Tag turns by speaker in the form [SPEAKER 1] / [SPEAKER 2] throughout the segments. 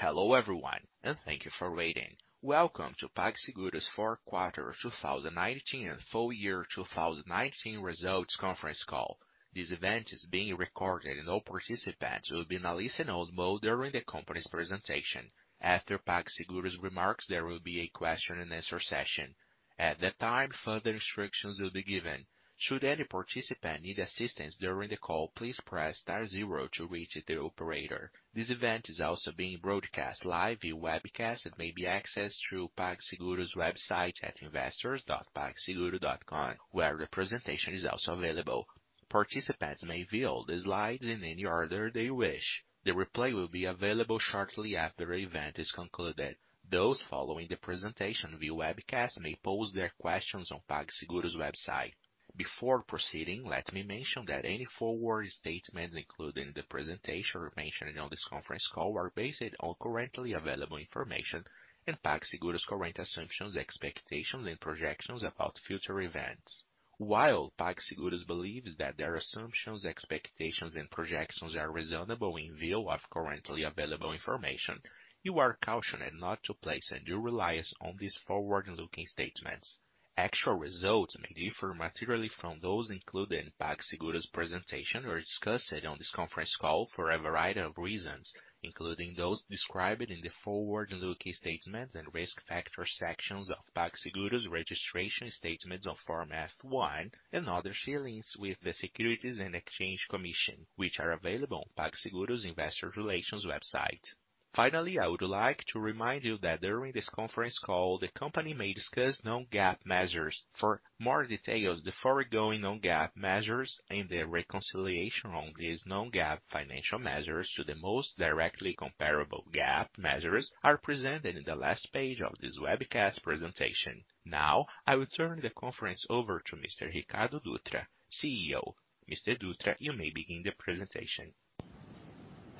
[SPEAKER 1] Hello everyone, and thank you for waiting. Welcome to PagSeguro's Q4 2019 and Full Year 2019 Results Conference Call. This event is being recorded and all participants will be on a listen-only mode during the company's presentation. After PagSeguro's remarks, there will be a question-and-answer session. At that time, further instructions will be given. Should any participant need assistance during the call, please press star zero to reach the operator. This event is also being broadcast live via webcast that may be accessed through PagSeguro's website at investors.pagseguro.com, where the presentation is also available. Participants may view the slides in any order they wish. The replay will be available shortly after the event is concluded. Those following the presentation via webcast may pose their questions on PagSeguro's website. Before proceeding, let me mention that any forward statements included in the presentation or mentioned on this conference call are based on currently available information and PagSeguro's current assumptions, expectations, and projections about future events. While PagSeguro believes that their assumptions, expectations, and projections are reasonable in view of currently available information, you are cautioned not to place undue reliance on these forward-looking statements. Actual results may differ materially from those included in PagSeguro's presentation or discussed on this conference call for a variety of reasons, including those described in the forward-looking statements and risk factors sections of PagSeguro's registration statements on Form F-1 and other filings with the Securities and Exchange Commission, which are available on PagSeguro's investor relations website. Finally, I would like to remind you that during this conference call, the company may discuss non-GAAP measures. For more details, the foregoing non-GAAP measures and the reconciliation on these non-GAAP financial measures to the most directly comparable GAAP measures are presented in the last page of this webcast presentation. Now, I will turn the conference over to Mr. Ricardo Dutra, CEO. Mr. Dutra, you may begin the presentation.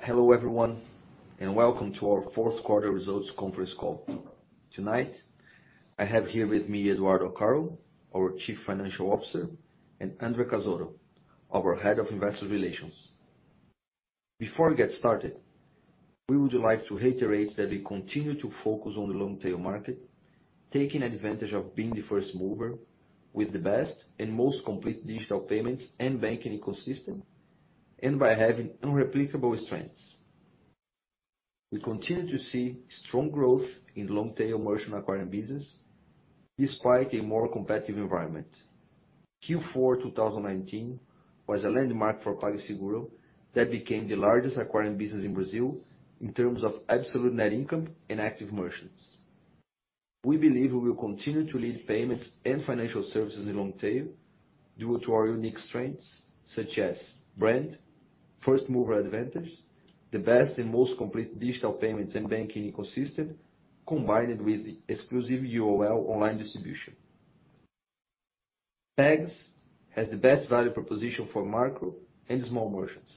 [SPEAKER 2] Hello everyone, and welcome to our Q4 results conference call. Tonight, I have here with me Eduardo Alcaro, our Chief Financial Officer, and André Cazotto, our Head of Investor Relations. Before we get started, we would like to reiterate that we continue to focus on the long-tail market, taking advantage of being the first mover with the best and most complete digital payments and banking ecosystem, and by having unreplicable strengths. We continue to see strong growth in long-tail merchant acquiring business despite a more competitive environment. Q4 2019 was a landmark for PagSeguro that became the largest acquiring business in Brazil in terms of absolute net income and active merchants. We believe we will continue to lead payments and financial services in long-tail due to our unique strengths such as brand, first-mover advantage, the best and most complete digital payments and banking ecosystem, combined with exclusive UOL online distribution. PagSeguro has the best value proposition for micro and small merchants,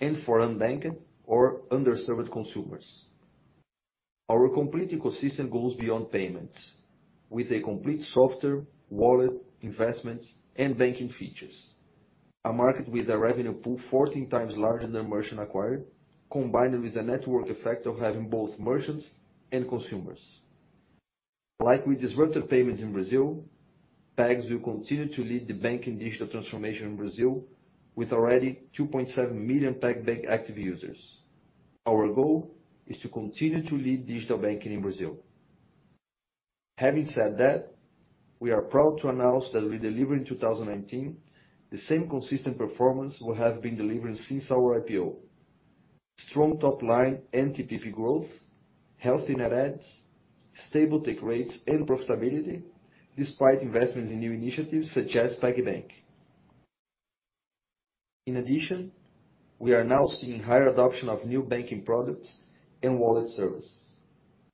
[SPEAKER 2] and for unbanked or underserved consumers. Our complete ecosystem goes beyond payments with a complete software, wallet, investments, and banking features. A market with a revenue pool 14x larger than merchant acquired, combined with a network effect of having both merchants and consumers. Like with disruptive payments in Brazil, PagSeguro will continue to lead the banking digital transformation in Brazil with already 2.7 million PagBank active users. Our goal is to continue to lead digital banking in Brazil. Having said that, we are proud to announce that we delivered in 2019 the same consistent performance we have been delivering since our IPO. Strong top line and TPV growth, healthy net adds, stable take rates, and profitability despite investments in new initiatives such as PagBank. We are now seeing higher adoption of new banking products and wallet service,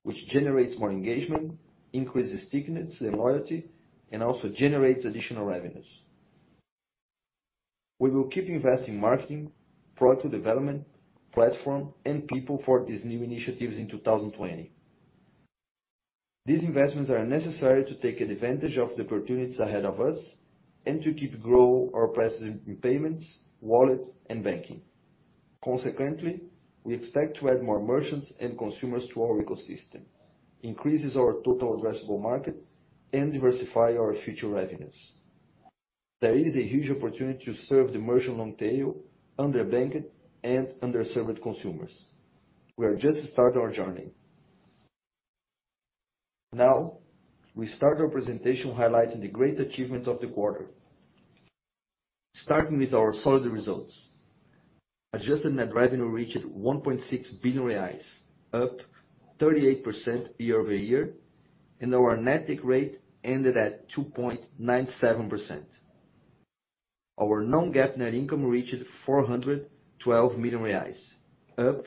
[SPEAKER 2] which generates more engagement, increases stickiness and loyalty, and also generates additional revenues. We will keep investing marketing, product development, platform, and people for these new initiatives in 2020. These investments are necessary to take advantage of the opportunities ahead of us and to keep growing our presence in payments, wallet, and banking. Consequently we expect to add more merchants and consumers to our ecosystem, increases our total addressable market, and diversify our future revenues. There is a huge opportunity to serve the merchant long-tail, underbanked, and underserved consumers. We are just starting our journey. We start our presentation highlighting the great achievements of the quarter. Starting with our solid results. Adjusted net revenue reached 1.6 billion reais, up 38% year-over-year, and our net take rate ended at 2.97%. Our non-GAAP net income reached 412 million reais, up 27%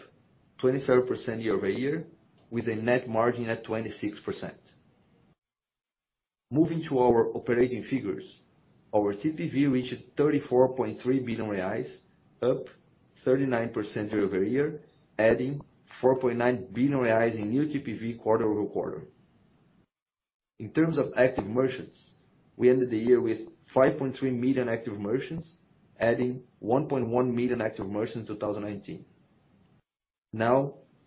[SPEAKER 2] year-over-year with a net margin at 26%. Moving to our operating figures. Our TPV reached 34.3 billion reais, up 39% year-over-year, adding 4.9 billion reais in new TPV quarter-over-quarter. In terms of active merchants, we ended the year with 5.3 million active merchants, adding 1.1 million active merchants in 2019.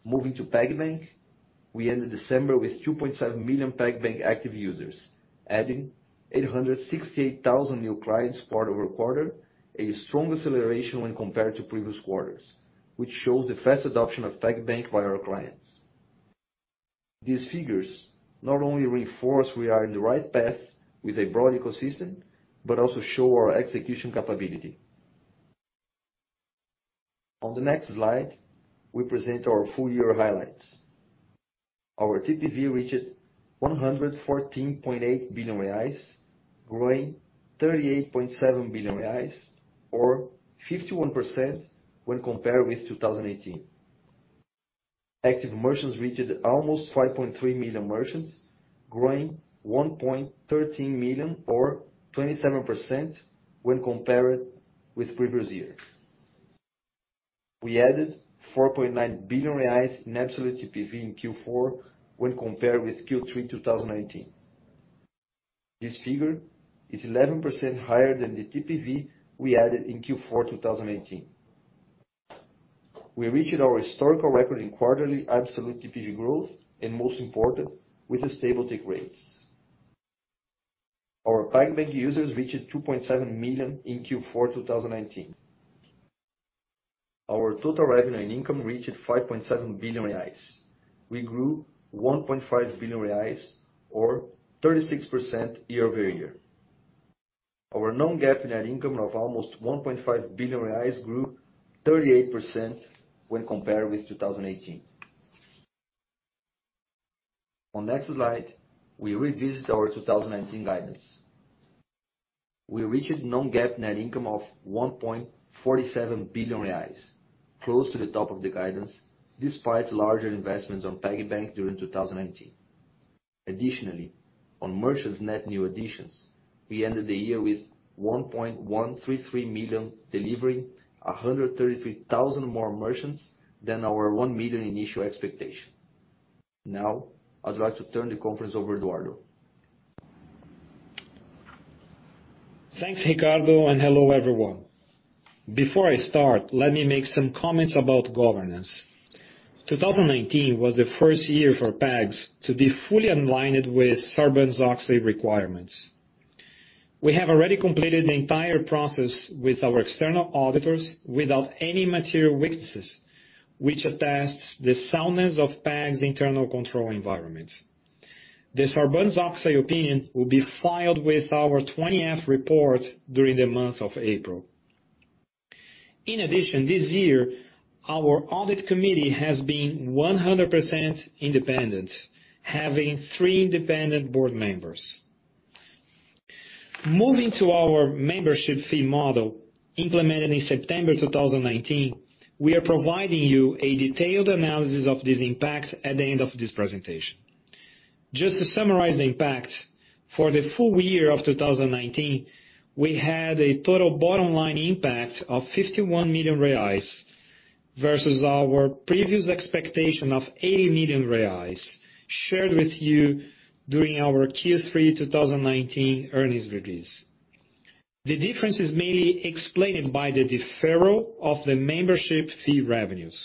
[SPEAKER 2] Moving to PagBank. We ended December with 2.7 million PagBank active users, adding 868,000 new clients quarter-over-quarter, a strong acceleration when compared to previous quarters, which shows the fast adoption of PagBank by our clients. These figures not only reinforce we are in the right path with a broad ecosystem, but also show our execution capability. On the next slide, we present our full-year highlights. Our TPV reached 114.8 billion reais, growing 38.7 billion reais, or 51% when compared with 2018. Active merchants reached almost 5.3 million merchants, growing 1.13 million, or 27%, when compared with previous year. We added 4.9 billion reais in absolute TPV in Q4 when compared with Q3 2019. This figure is 11% higher than the TPV we added in Q4 2018. We reached our historical record in quarterly absolute TPV growth, and most important, with stable tick rates. Our PagBank users reached 2.7 million in Q4 2019. Our total revenue and income reached 5.7 billion reais. We grew 1.5 billion reais or 36% year-over-year. Our non-GAAP net income of almost 1.5 billion reais grew 38% when compared with 2018. On next slide, we revisit our 2019 guidance. We reached non-GAAP net income of 1.47 billion reais, close to the top of the guidance, despite larger investments on PagBank during 2019. Additionally, on merchants net new additions, we ended the year with 1.133 million, delivering 133,000 more merchants than our one million initial expectation. Now, I'd like to turn the conference over Eduardo.
[SPEAKER 3] Thanks, Ricardo, and hello, everyone. Before I start, let me make some comments about governance. 2019 was the first year for Pag to be fully aligned with Sarbanes-Oxley requirements. We have already completed the entire process with our external auditors without any material weaknesses, which attests the soundness of Pag's internal control environment. The Sarbanes-Oxley opinion will be filed with our 20-F report during the month of April. In addition, this year, our audit committee has been 100% independent, having three independent board members. Moving to our membership fee model implemented in September 2019. We are providing you a detailed analysis of this impact at the end of this presentation. Just to summarize the impact, for the full year of 2019, we had a total bottom-line impact of 51 million reais versus our previous expectation of 80 million reais shared with you during our Q3 2019 earnings release. The difference is mainly explained by the deferral of the membership fee revenues.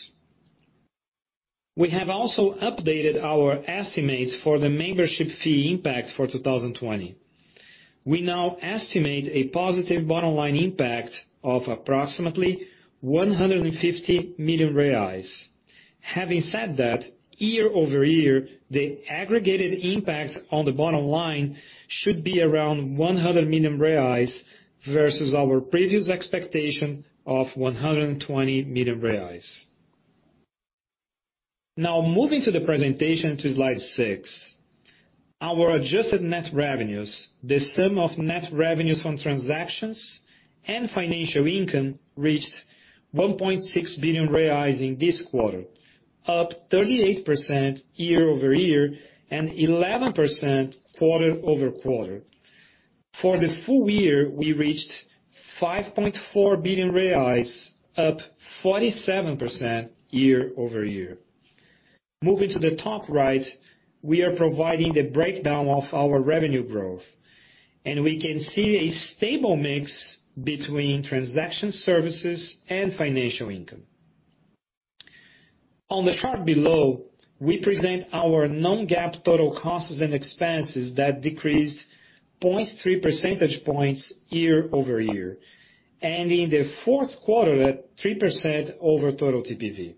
[SPEAKER 3] We have also updated our estimates for the membership fee impact for 2020. We now estimate a positive bottom-line impact of approximately 150 million reais. Having said that, year-over-year, the aggregated impact on the bottom line should be around 100 million reais versus our previous expectation of 120 million reais. Now moving to the presentation to slide six. Our adjusted net revenues, the sum of net revenues from transactions and financial income, reached 1.6 billion reais in this quarter, up 38% year-over-year, and 11% quarter-over-quarter. For the full year, we reached 5.4 billion reais, up 47% year-over-year. Moving to the top right, we are providing the breakdown of our revenue growth, and we can see a stable mix between transaction services and financial income. On the chart below, we present our non-GAAP total costs and expenses that decreased 0.3 percentage points year-over-year. In the Q4, at 3% over total TPV.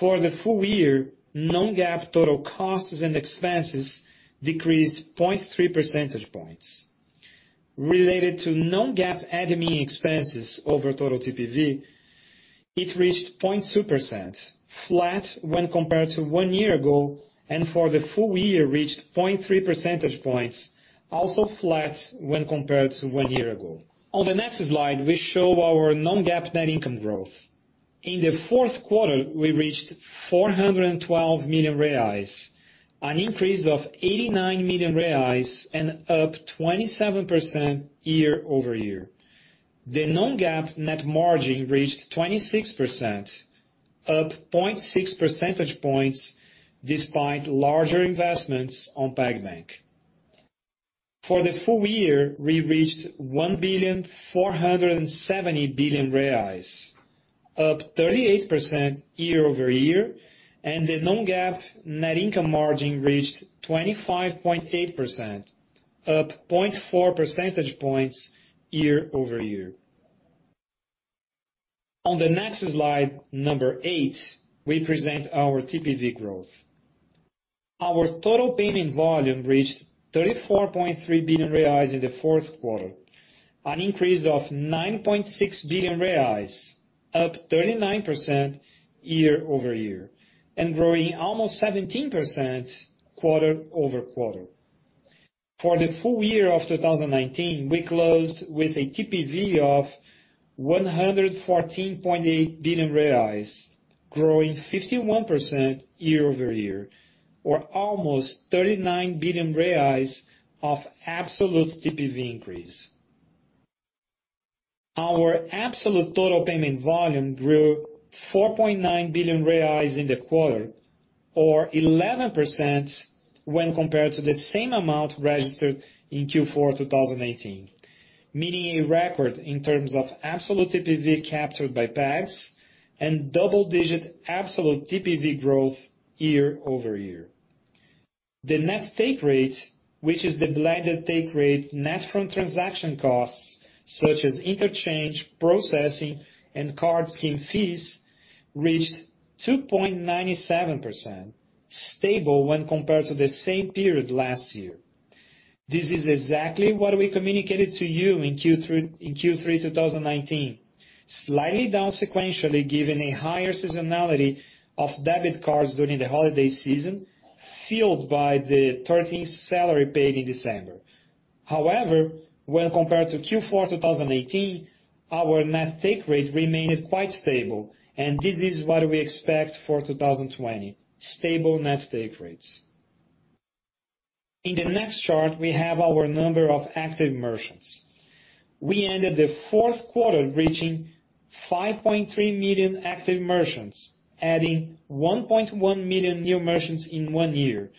[SPEAKER 3] For the full year, non-GAAP total costs and expenses decreased 0.3 percentage points. Related to non-GAAP admin expenses over total TPV, it reached 0.2%, flat when compared to one year ago, and for the full year reached 0.3 percentage points, also flat when compared to one year ago. On the next slide, we show our non-GAAP net income growth. In the Q4, we reached 412 million reais, an increase of 89 million reais and up 27% year-over-year. The non-GAAP net margin reached 26%. Up 0.6 percentage points despite larger investments on PagBank. For the full year, we reached 1.47 billion, up 38% year-over-year, and the non-GAAP net income margin reached 25.8%, up 0.4 percentage points year-over-year. On the next slide, number eight, we present our TPV growth. Our total payment volume reached 34.3 billion reais in the Q4, an increase of 9.6 billion reais, up 39% year-over-year, and growing almost 17% quarter-over-quarter. For the full year of 2019, we closed with a TPV of 114.8 billion, growing 51% year-over-year, or almost 39 billion of absolute TPV increase. Our absolute total payment volume grew 4.9 billion reais in the quarter, or 11% when compared to the same amount registered in Q4 2018, meeting a record in terms of absolute TPV captured by PagSeguro and double-digit absolute TPV growth year-over-year. The net take rate, which is the blended take rate net from transaction costs such as interchange, processing, and card scheme fees, reached 2.97%, stable when compared to the same period last year. This is exactly what we communicated to you in Q3 2019, slightly down sequentially, given a higher seasonality of debit cards during the holiday season, fueled by the 13th salary paid in December. When compared to Q4 2018, our net take rate remained quite stable, and this is what we expect for 2020, stable net take rates. In the next chart, we have our number of active merchants. We ended the Q4 reaching 5.3 million active merchants, adding 1.1 million new merchants in one year,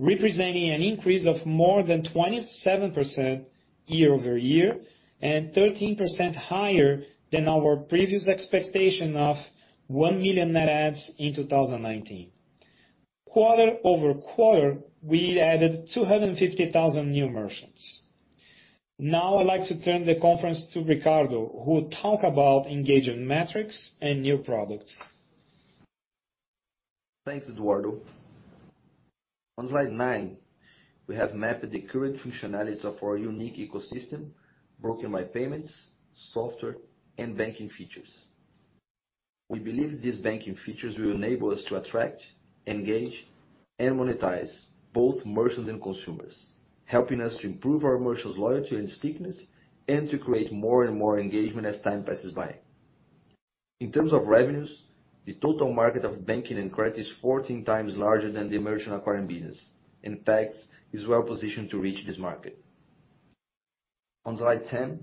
[SPEAKER 3] representing an increase of more than 27% year-over-year and 13% higher than our previous expectation of one million net adds in 2019. Quarter-over-quarter, we added 250,000 new merchants. Now I'd like to turn the conference to Ricardo, who will talk about engagement metrics and new products.
[SPEAKER 2] Thanks, Eduardo. On slide nine, we have mapped the current functionality of our unique ecosystem, broken by payments, software, and banking features. We believe these banking features will enable us to attract, engage, and monetize both merchants and consumers, helping us to improve our merchants' loyalty and stickiness and to create more and more engagement as time passes by. In terms of revenues, the total market of banking and credit is 14x larger than the merchant acquiring business, and Pag is well-positioned to reach this market. On slide 10,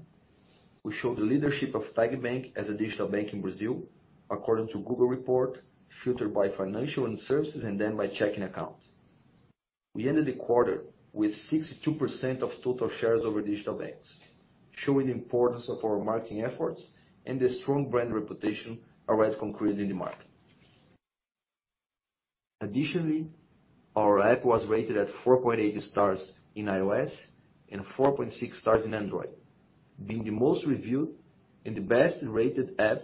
[SPEAKER 2] we show the leadership of PagBank as a digital bank in Brazil, according to Google report, filtered by financial and services, and then by checking accounts. We ended the quarter with 62% of total shares over digital banks, showing the importance of our marketing efforts and the strong brand reputation already concrete in the market. Additionally, our app was rated at 4.8 stars in iOS and 4.6 stars in Android, being the most reviewed and the best-rated app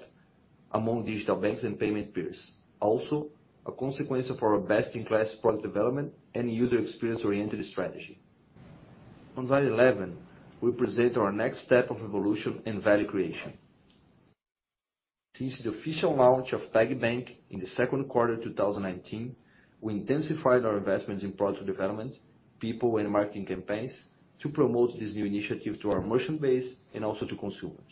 [SPEAKER 2] among digital banks and payment peers, also a consequence of our best-in-class product development and user experience-oriented strategy. On slide 11, we present our next step of evolution and value creation. Since the official launch of PagBank in the Q2 2019, we intensified our investments in product development, people, and marketing campaigns to promote this new initiative to our merchant base and also to consumers.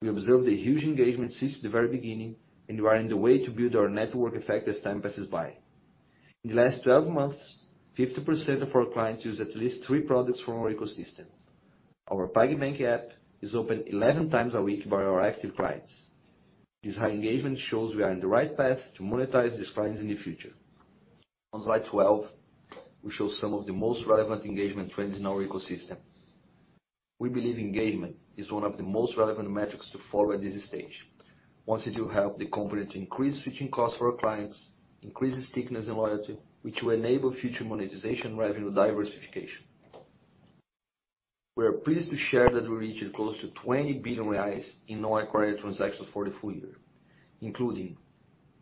[SPEAKER 2] We observed a huge engagement since the very beginning and we are on the way to build our network effect as time passes by. In the last 12 months, 50% of our clients use at least three products from our ecosystem. Our PagBank app is opened 11 times a week by our active clients. This high engagement shows we are on the right path to monetize these clients in the future. On slide 12, we show some of the most relevant engagement trends in our ecosystem. We believe engagement is one of the most relevant metrics to follow at this stage. Once it will help the company to increase switching costs for our clients, increase stickiness and loyalty, which will enable future monetization revenue diversification. We are pleased to share that we reached close to 20 billion reais in non-acquire transactions for the full year, including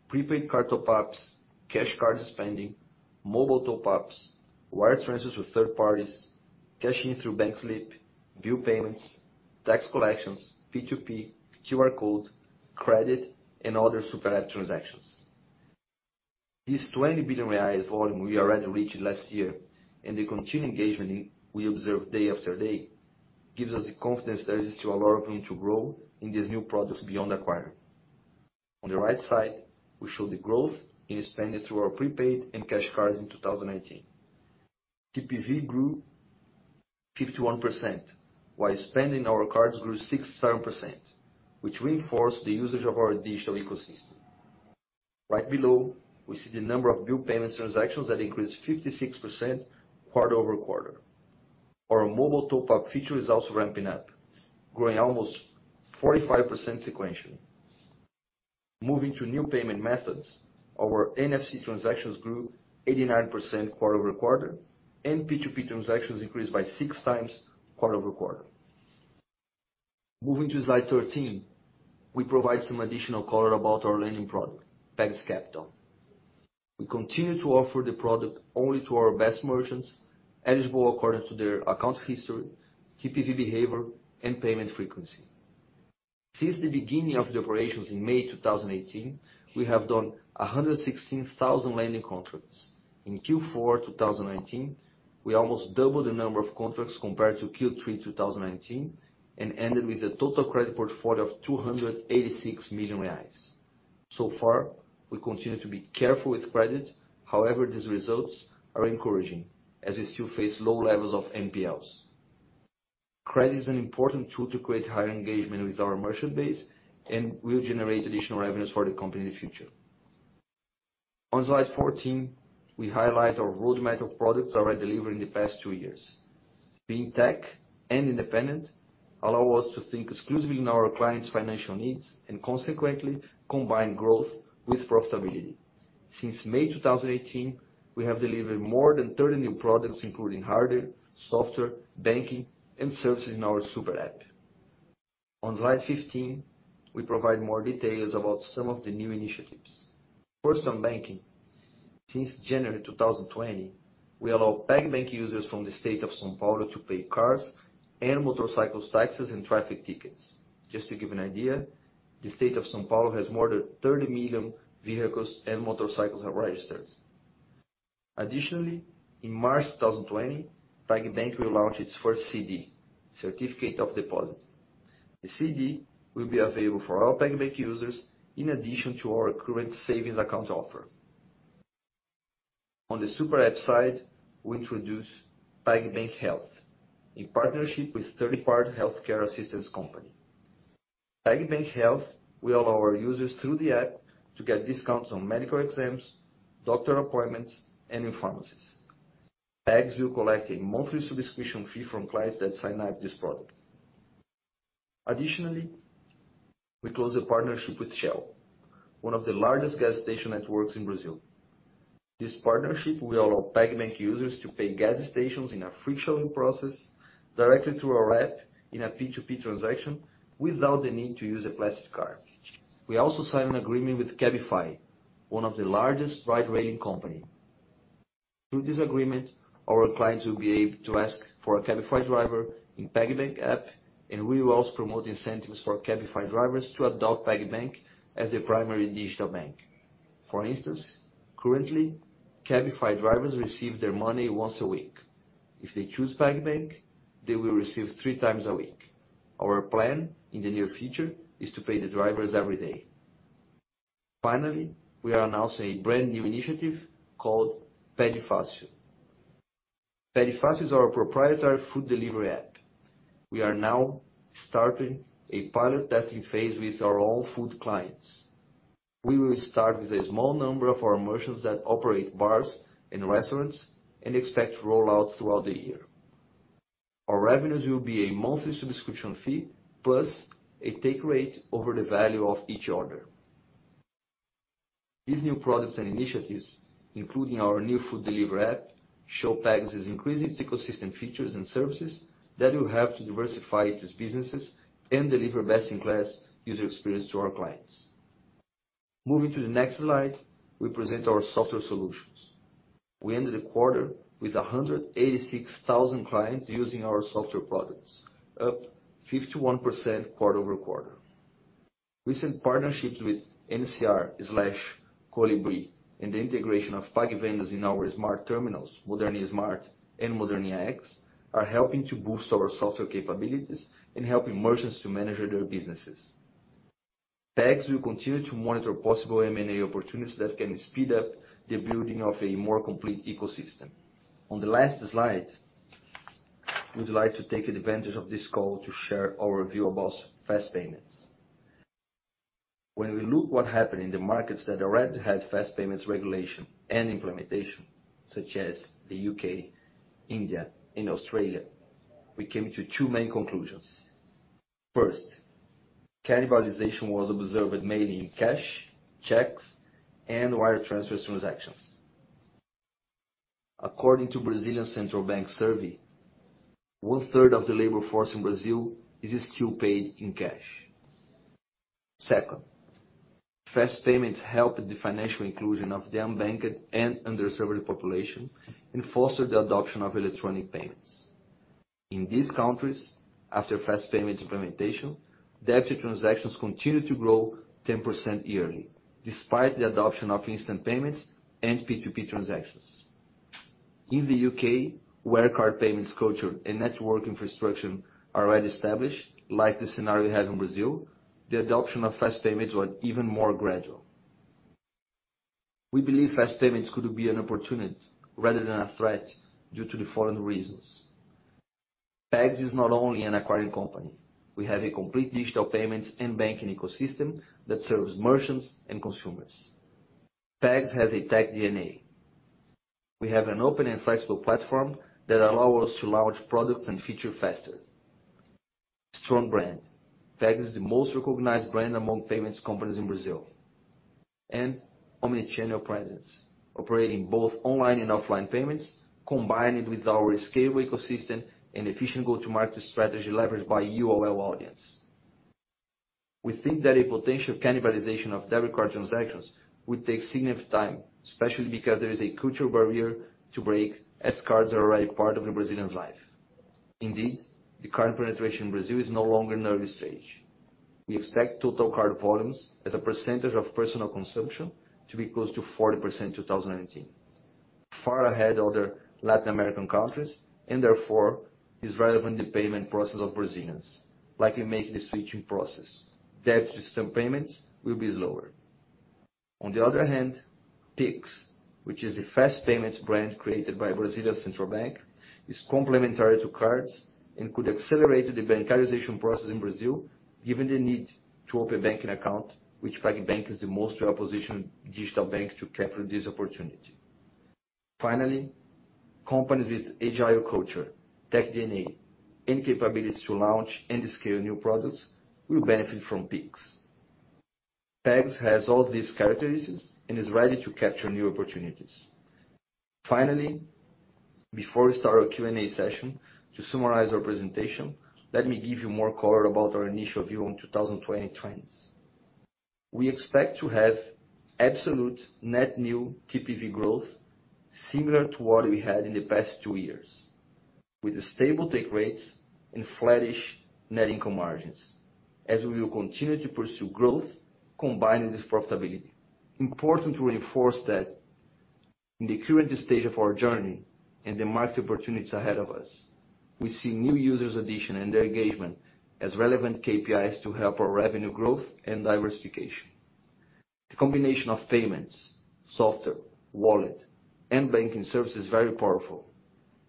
[SPEAKER 2] prepaid card top-ups, cash cards spending, mobile top-ups, wire transfers to third parties, cashing in through bank slip, bill payments, tax collections, P2P, QR code, credit, and other Super App transactions. This 20 billion reais volume we already reached last year, the continued engagement we observe day after day, gives us the confidence there is still a lot of room to grow in these new products beyond acquire. On the right side, we show the growth in spending through our prepaid and cash cards in 2019. TPV grew 51%, while spend in our cards grew 67%, which reinforced the usage of our digital ecosystem. Right below, we see the number of bill payments transactions that increased 56% quarter-over-quarter. Our mobile top-up feature is also ramping up, growing almost 45% sequentially. Moving to new payment methods, our NFC transactions grew 89% quarter-over-quarter, and P2P transactions increased by 6x quarter-over-quarter. Moving to slide 13, we provide some additional color about our lending product, PagSeguro Capital. We continue to offer the product only to our best merchants eligible according to their account history, TPV behavior, and payment frequency. Since the beginning of the operations in May 2018, we have done 116,000 lending contracts. In Q4 2019, we almost doubled the number of contracts compared to Q3 2019, and ended with a total credit portfolio of 286 million reais. So far, we continue to be careful with credit. However, these results are encouraging, as we still face low levels of NPLs. Credit is an important tool to create higher engagement with our merchant base and will generate additional revenues for the company in the future. On slide 14, we highlight our roadmap of products already delivered in the past two years. Being tech and independent allow us to think exclusively in our clients' financial needs, and consequently combine growth with profitability. Since May 2018, we have delivered more than 30 new products, including hardware, software, banking, and services in our Super App. On slide 15, we provide more details about some of the new initiatives. For some banking, since January 2020, we allow PagBank users from the state of São Paulo to pay cars and motorcycles taxes and traffic tickets. Just to give an idea, the state of São Paulo has more than 30 million vehicles and motorcycles are registered. Additionally, in March 2020, PagBank will launch its first CD, certificate of deposit. The CD will be available for all PagBank users in addition to our current savings account offer. On the Super App side, we introduce PagBank Health, in partnership with third-party healthcare assistance company. PagBank Health will allow our users through the app to get discounts on medical exams, doctor appointments, and in pharmacies. Pag will collect a monthly subscription fee from clients that sign up this product. Additionally, we closed a partnership with Shell, one of the largest gas station networks in Brazil. This partnership will allow PagBank users to pay gas stations in a frictionless process directly through our app in a P2P transaction without the need to use a plastic card. We also signed an agreement with Cabify, one of the largest ride-hailing company. Through this agreement, our clients will be able to ask for a Cabify driver in PagBank app, and we will also promote incentives for Cabify drivers to adopt PagBank as their primary digital bank. For instance, currently, Cabify drivers receive their money once a week. If they choose PagBank, they will receive three times a week. Our plan in the near future is to pay the drivers every day. Finally, we are announcing a brand-new initiative called Pede Fácil. Pede Fácil is our proprietary food delivery app. We are now starting a pilot testing phase with our own food clients. We will start with a small number of our merchants that operate bars and restaurants and expect rollouts throughout the year. Our revenues will be a monthly subscription fee plus a take rate over the value of each order. These new products and initiatives, including our new food delivery app, show Pag is increasing its ecosystem features and services that will help to diversify its businesses and deliver best-in-class user experience to our clients. Moving to the next slide, we present our software solutions. We ended the quarter with 186,000 clients using our software products, up 51% quarter-over-quarter. Recent partnerships with NCR Colibri and the integration of PagVendas in our smart terminals, Moderninha Smart and Moderninha X, are helping to boost our software capabilities and helping merchants to manage their businesses. Pag will continue to monitor possible M&A opportunities that can speed up the building of a more complete ecosystem. On the last slide, we'd like to take advantage of this call to share our view about fast payments. When we look what happened in the markets that already had fast payments regulation and implementation, such as the U.K., India, and Australia, we came to two main conclusions. First, cannibalization was observed mainly in cash, checks, and wire transfer transactions. According to Central Bank of Brazil survey, one-third of the labor force in Brazil is still paid in cash. Second, fast payments helped the financial inclusion of the unbanked and underserved population and fostered the adoption of electronic payments. In these countries, after fast payment implementation, debit transactions continued to grow 10% yearly despite the adoption of instant payments and P2P transactions. In the U.K., where card payments culture and network infrastructure are already established, like the scenario we have in Brazil, the adoption of fast payments was even more gradual. We believe fast payments could be an opportunity rather than a threat due to the following reasons. Pag is not only an acquiring company. We have a complete digital payments and banking ecosystem that serves merchants and consumers. Pag has a tech DNA. We have an open and flexible platform that allow us to launch products and feature faster. Strong brand. Pag is the most recognized brand among payments companies in Brazil. Omnichannel presence, operating both online and offline payments, combined with our scalable ecosystem and efficient go-to-market strategy leveraged by UOL audience. We think that a potential cannibalization of debit card transactions would take significant time, especially because there is a cultural barrier to break, as cards are already part of a Brazilian's life. Indeed, the card penetration in Brazil is no longer in early stage. We expect total card volumes as a percentage of personal consumption to be close to 40% in 2019, far ahead other Latin American countries, and therefore is relevant the payment process of Brazilians, likely making the switching process. Debt system payments will be slower. On the other hand, Pix, which is the fast payments brand created by the Central Bank of Brazil, is complementary to cards and could accelerate the bank characterization process in Brazil, given the need to open a banking account, which PagBank is the most well-positioned digital bank to capture this opportunity. Finally, companies with agile culture, tech DNA, and capabilities to launch and scale new products will benefit from Pix. Pag has all these characteristics and is ready to capture new opportunities. Finally, before we start our Q&A session, to summarize our presentation, let me give you more color about our initial view on 2020 trends. We expect to have absolute net new TPV growth similar to what we had in the past two years, with stable take rates and flattish net income margins, as we will continue to pursue growth combining this profitability. Important to reinforce that in the current stage of our journey and the market opportunities ahead of us, we see new users' addition and their engagement as relevant KPIs to help our revenue growth and diversification. The combination of payments, software, wallet, and banking service is very powerful,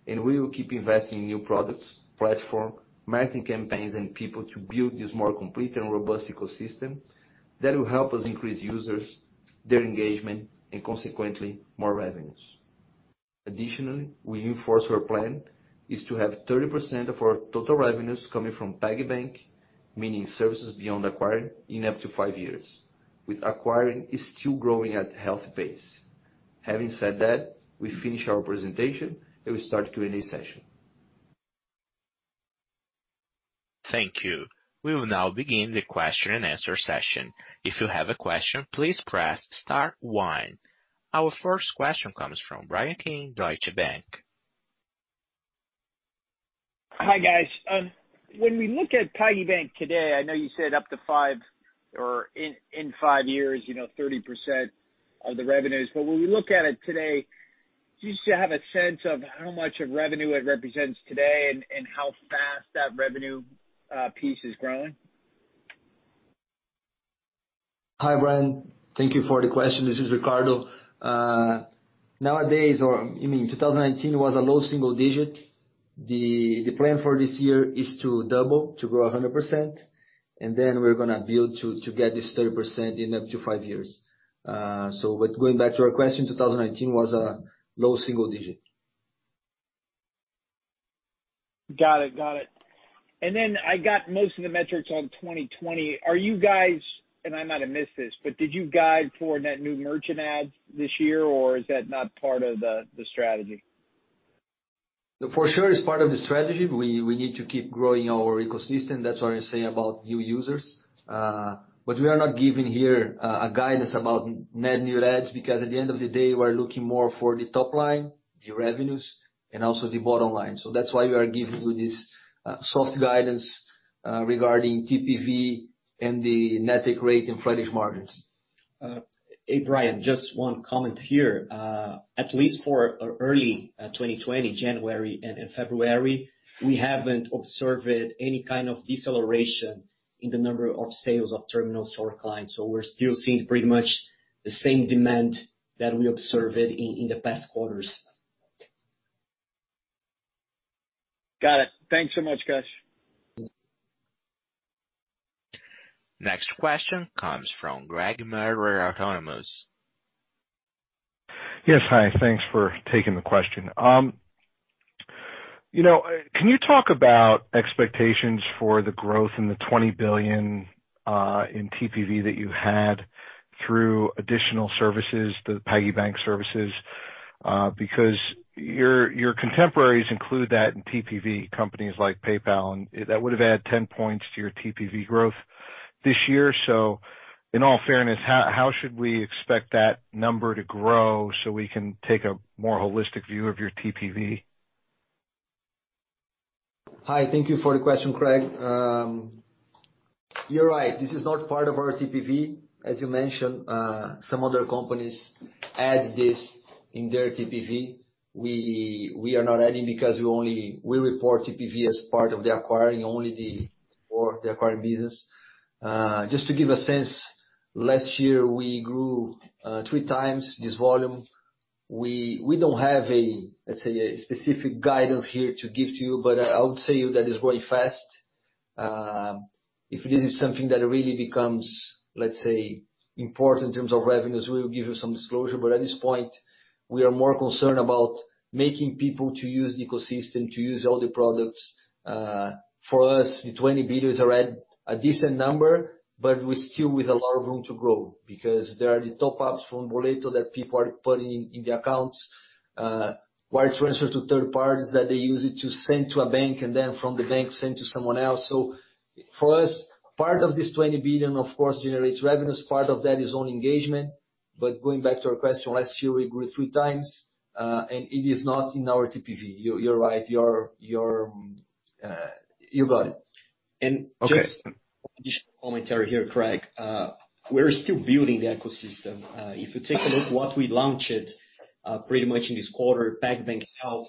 [SPEAKER 2] and we will keep investing in new products, platform, marketing campaigns, and people to build this more complete and robust ecosystem that will help us increase users, their engagement, and consequently, more revenues. Additionally, we reinforce our plan is to have 30% of our total revenues coming from PagBank, meaning services beyond acquiring, in up to five years, with acquiring still growing at healthy pace. Having said that, we finish our presentation, and we start Q&A session.
[SPEAKER 1] Thank you. We will now begin the question-and-answer session. If you have a question, please press star one. Our first question comes from Bryan Keane, Deutsche Bank.
[SPEAKER 4] Hi, guys. When we look at PagBank today, I know you said up to five or in five years 30% of the revenues, but when we look at it today, do you still have a sense of how much of revenue it represents today and how fast that revenue piece is growing?
[SPEAKER 2] Hi, Bryan. Thank you for the question. This is Ricardo. Nowadays, or you mean 2019 was a low single digit. The plan for this year is to double, to grow 100%, and we're going to build to get this 30% in up to five years. Going back to your question, 2019 was a low single digit.
[SPEAKER 4] Got it. I got most of the metrics on 2020. Are you guys, and I might have missed this, but did you guide for net new merchant adds this year, or is that not part of the strategy?
[SPEAKER 2] For sure it's part of the strategy. We need to keep growing our ecosystem. That's what I say about new users. We are not giving here a guidance about net new adds because at the end of the day, we're looking more for the top line, the revenues, and also the bottom line. That's why we are giving you this soft guidance regarding TPV and the net take rate and credit margins.
[SPEAKER 3] Hey, Bryan, just one comment here. At least for early 2020, January and February, we haven't observed any kind of deceleration in the number of sales of terminals to our clients. We're still seeing pretty much the same demand that we observed in the past quarters.
[SPEAKER 4] Got it. Thanks so much, guys.
[SPEAKER 1] Next question comes from Craig Maurer, Autonomous.
[SPEAKER 5] Yes, hi. Thanks for taking the question. Can you talk about expectations for the growth in the 20 billion in TPV that you had through additional services, the PagBank services? Because your contemporaries include that in TPV, companies like PayPal, and that would have add 10 points to your TPV growth this year. In all fairness, how should we expect that number to grow so we can take a more holistic view of your TPV?
[SPEAKER 2] Hi, thank you for the question, Craig. You're right. This is not part of our TPV. As you mentioned, some other companies add this in their TPV. We are not adding because we only report TPV as part of the acquiring, only the- For the acquiring business. Just to give a sense, last year we grew 3x this volume. We don't have a, let's say, a specific guidance here to give to you, but I would say that it's growing fast. If this is something that really becomes, let's say, important in terms of revenues, we'll give you some disclosure. At this point, we are more concerned about making people to use the ecosystem, to use all the products. For us, the 20 billion is already a decent number, but we're still with a lot of room to grow because there are the top-ups from Boleto that people are putting in the accounts, wire transfer to third parties that they use it to send to a bank and then from the bank send to someone else. For us, part of this 20 billion, of course, generates revenues. Part of that is on engagement. Going back to your question, last year we grew three times. It is not in our TPV. You're right. You got it.
[SPEAKER 5] Okay.
[SPEAKER 6] Just additional commentary here, Craig. We're still building the ecosystem. If you take a look what we launched pretty much in this quarter, PagBank Health,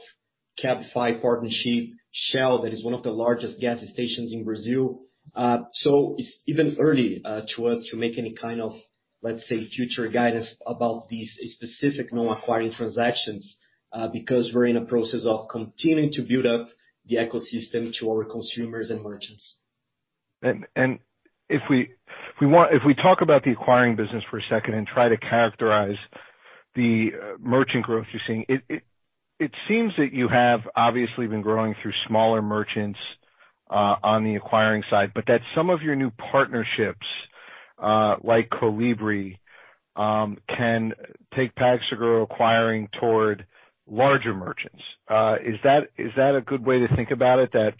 [SPEAKER 6] Cabify partnership, Shell, that is one of the largest gas stations in Brazil. It's even early to us to make any kind of, let's say, future guidance about these specific non-acquiring transactions, because we're in a process of continuing to build up the ecosystem to our consumers and merchants.
[SPEAKER 5] If we talk about the acquiring business for a second and try to characterize the merchant growth you're seeing, it seems that you have obviously been growing through smaller merchants on the acquiring side, but that some of your new partnerships, like Colibri, can take PagSeguro acquiring toward larger merchants. Is that a good way to think about it, that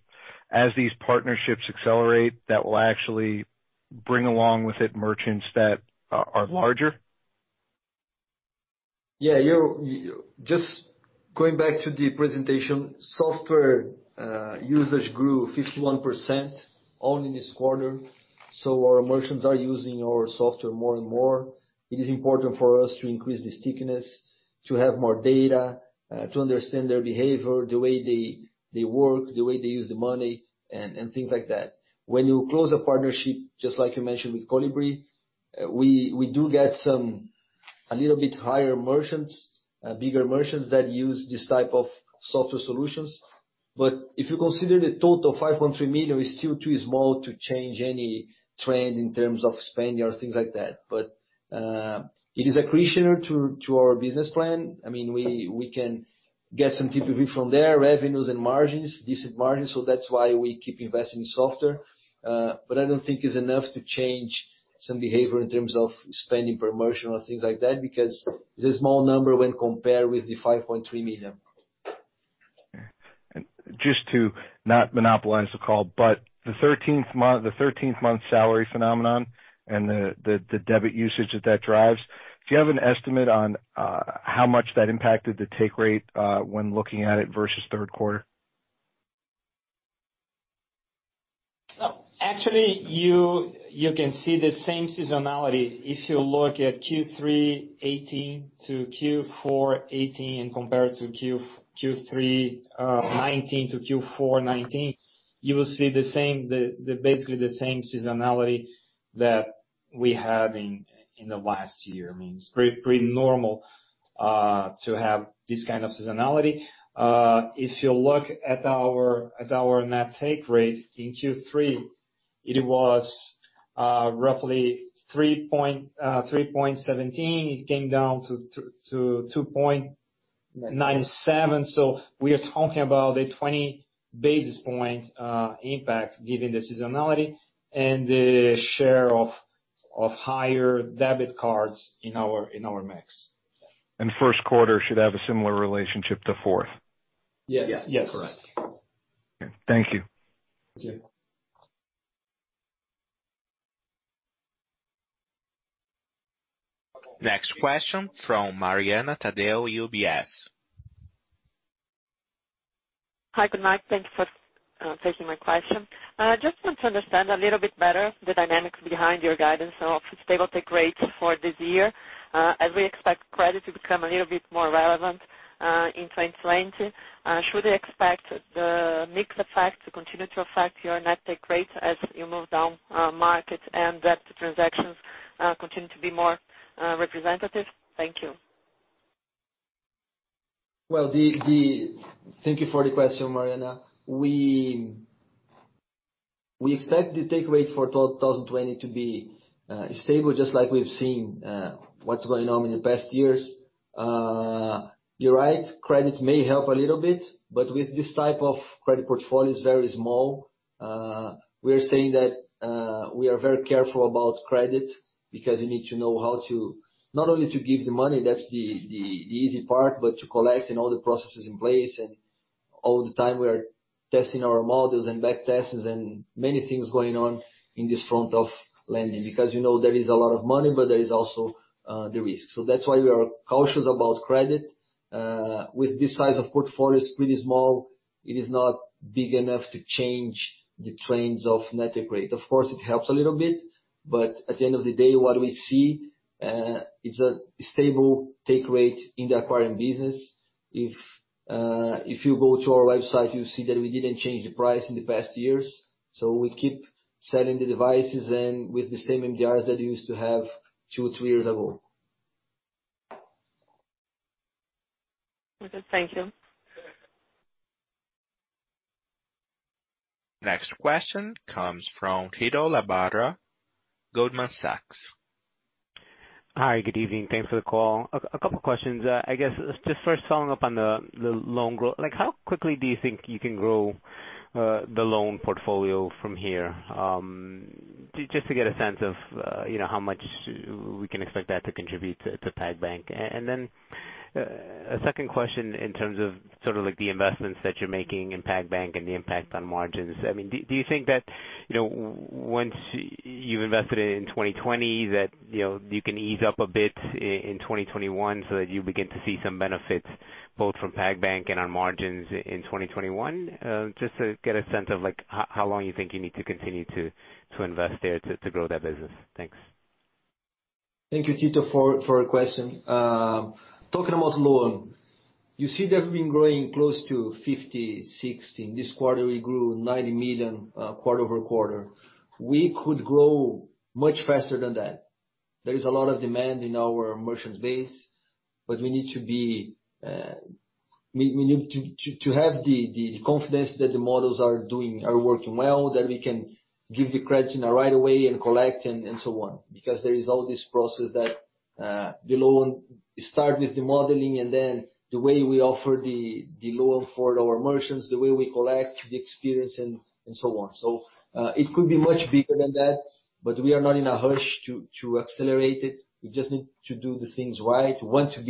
[SPEAKER 5] as these partnerships accelerate, that will actually bring along with it merchants that are larger?
[SPEAKER 2] Yeah. Just going back to the presentation, software users grew 51% only this quarter. Our merchants are using our software more and more. It is important for us to increase the stickiness, to have more data, to understand their behavior, the way they work, the way they use the money, and things like that. When you close a partnership, just like you mentioned with Colibri, we do get a little bit higher merchants, bigger merchants that use this type of software solutions. If you consider the total 5.3 million is still too small to change any trend in terms of spending or things like that. It is accretion to our business plan. We can get some TPV from there, revenues and margins, decent margins, so that's why we keep investing in software. I don't think it's enough to change some behavior in terms of spending per merchant or things like that, because it's a small number when compared with the 5.3 million.
[SPEAKER 5] Just to not monopolize the call, the 13th month salary phenomenon and the debit usage that that drives, do you have an estimate on how much that impacted the take rate when looking at it versus Q3?
[SPEAKER 6] Actually, you can see the same seasonality if you look at Q3 2018 to Q4 2018 and compare it to Q3 2019 to Q4 2019. You will see basically the same seasonality that we had in the last year. It's pretty normal to have this kind of seasonality. If you look at our net take rate in Q3, it was roughly 3.17. It came down to 2.97. We are talking about a 20 basis point impact given the seasonality and the share of higher debit cards in our mix.
[SPEAKER 5] Q1 should have a similar relationship to Q4?
[SPEAKER 2] Yes.
[SPEAKER 6] Yes. Correct.
[SPEAKER 5] Okay. Thank you.
[SPEAKER 2] Thank you.
[SPEAKER 1] Next question from Mariana Taddeo, UBS.
[SPEAKER 7] Hi. Good night. Thank you for taking my question. Just want to understand a little bit better the dynamics behind your guidance of stable take rates for this year. As we expect credit to become a little bit more relevant in 2020, should we expect the mix effect to continue to affect your net take rates as you move down markets and that the transactions continue to be more representative? Thank you.
[SPEAKER 2] Well, thank you for the question, Mariana. We expect the take rate for 2020 to be stable, just like we've seen what's going on in the past years. You're right, credit may help a little bit, but with this type of credit portfolios very small. We're saying that we are very careful about credit because you need to know how to not only to give the money, that's the easy part, but to collect and all the processes in place. All the time, we are testing our models and backtests and many things going on in this front of lending, because there is a lot of money, but there is also the risk. That's why we are cautious about credit. With this size of portfolios, pretty small, it is not big enough to change the trends of net take rate. Of course, it helps a little bit, but at the end of the day, what we see is a stable take rate in the acquiring business. If you go to our website, you'll see that we didn't change the price in the past years. We keep selling the devices and with the same MDRs that you used to have two, three years ago.
[SPEAKER 7] Okay, thank you.
[SPEAKER 1] Next question comes from Tito Labarta, Goldman Sachs.
[SPEAKER 8] Hi, good evening. Thanks for the call. A couple questions. I guess, just first following up on the loan growth. How quickly do you think you can grow the loan portfolio from here? Just to get a sense of how much we can expect that to contribute to PagBank. A second question in terms of sort of the investments that you're making in PagBank and the impact on margins. Do you think that, once you've invested in 2020, that you can ease up a bit in 2021 so that you begin to see some benefits both from PagBank and on margins in 2021? Just to get a sense of how long you think you need to continue to invest there to grow that business. Thanks.
[SPEAKER 2] Thank you, Tito, for a question. Talking about loan, you see that we've been growing close to 50 million, 60 million. This quarter, we grew 90 million, quarter-over-quarter. We could grow much faster than that. There is a lot of demand in our merchants base, but we need to have the confidence that the models are working well, that we can give the credit in a right away, and collect, and so on. There is all this process that the loan start with the modeling and then the way we offer the loan for our merchants, the way we collect the experience and so on. It could be much bigger than that, but we are not in a rush to accelerate it. We just need to do the things right. We want to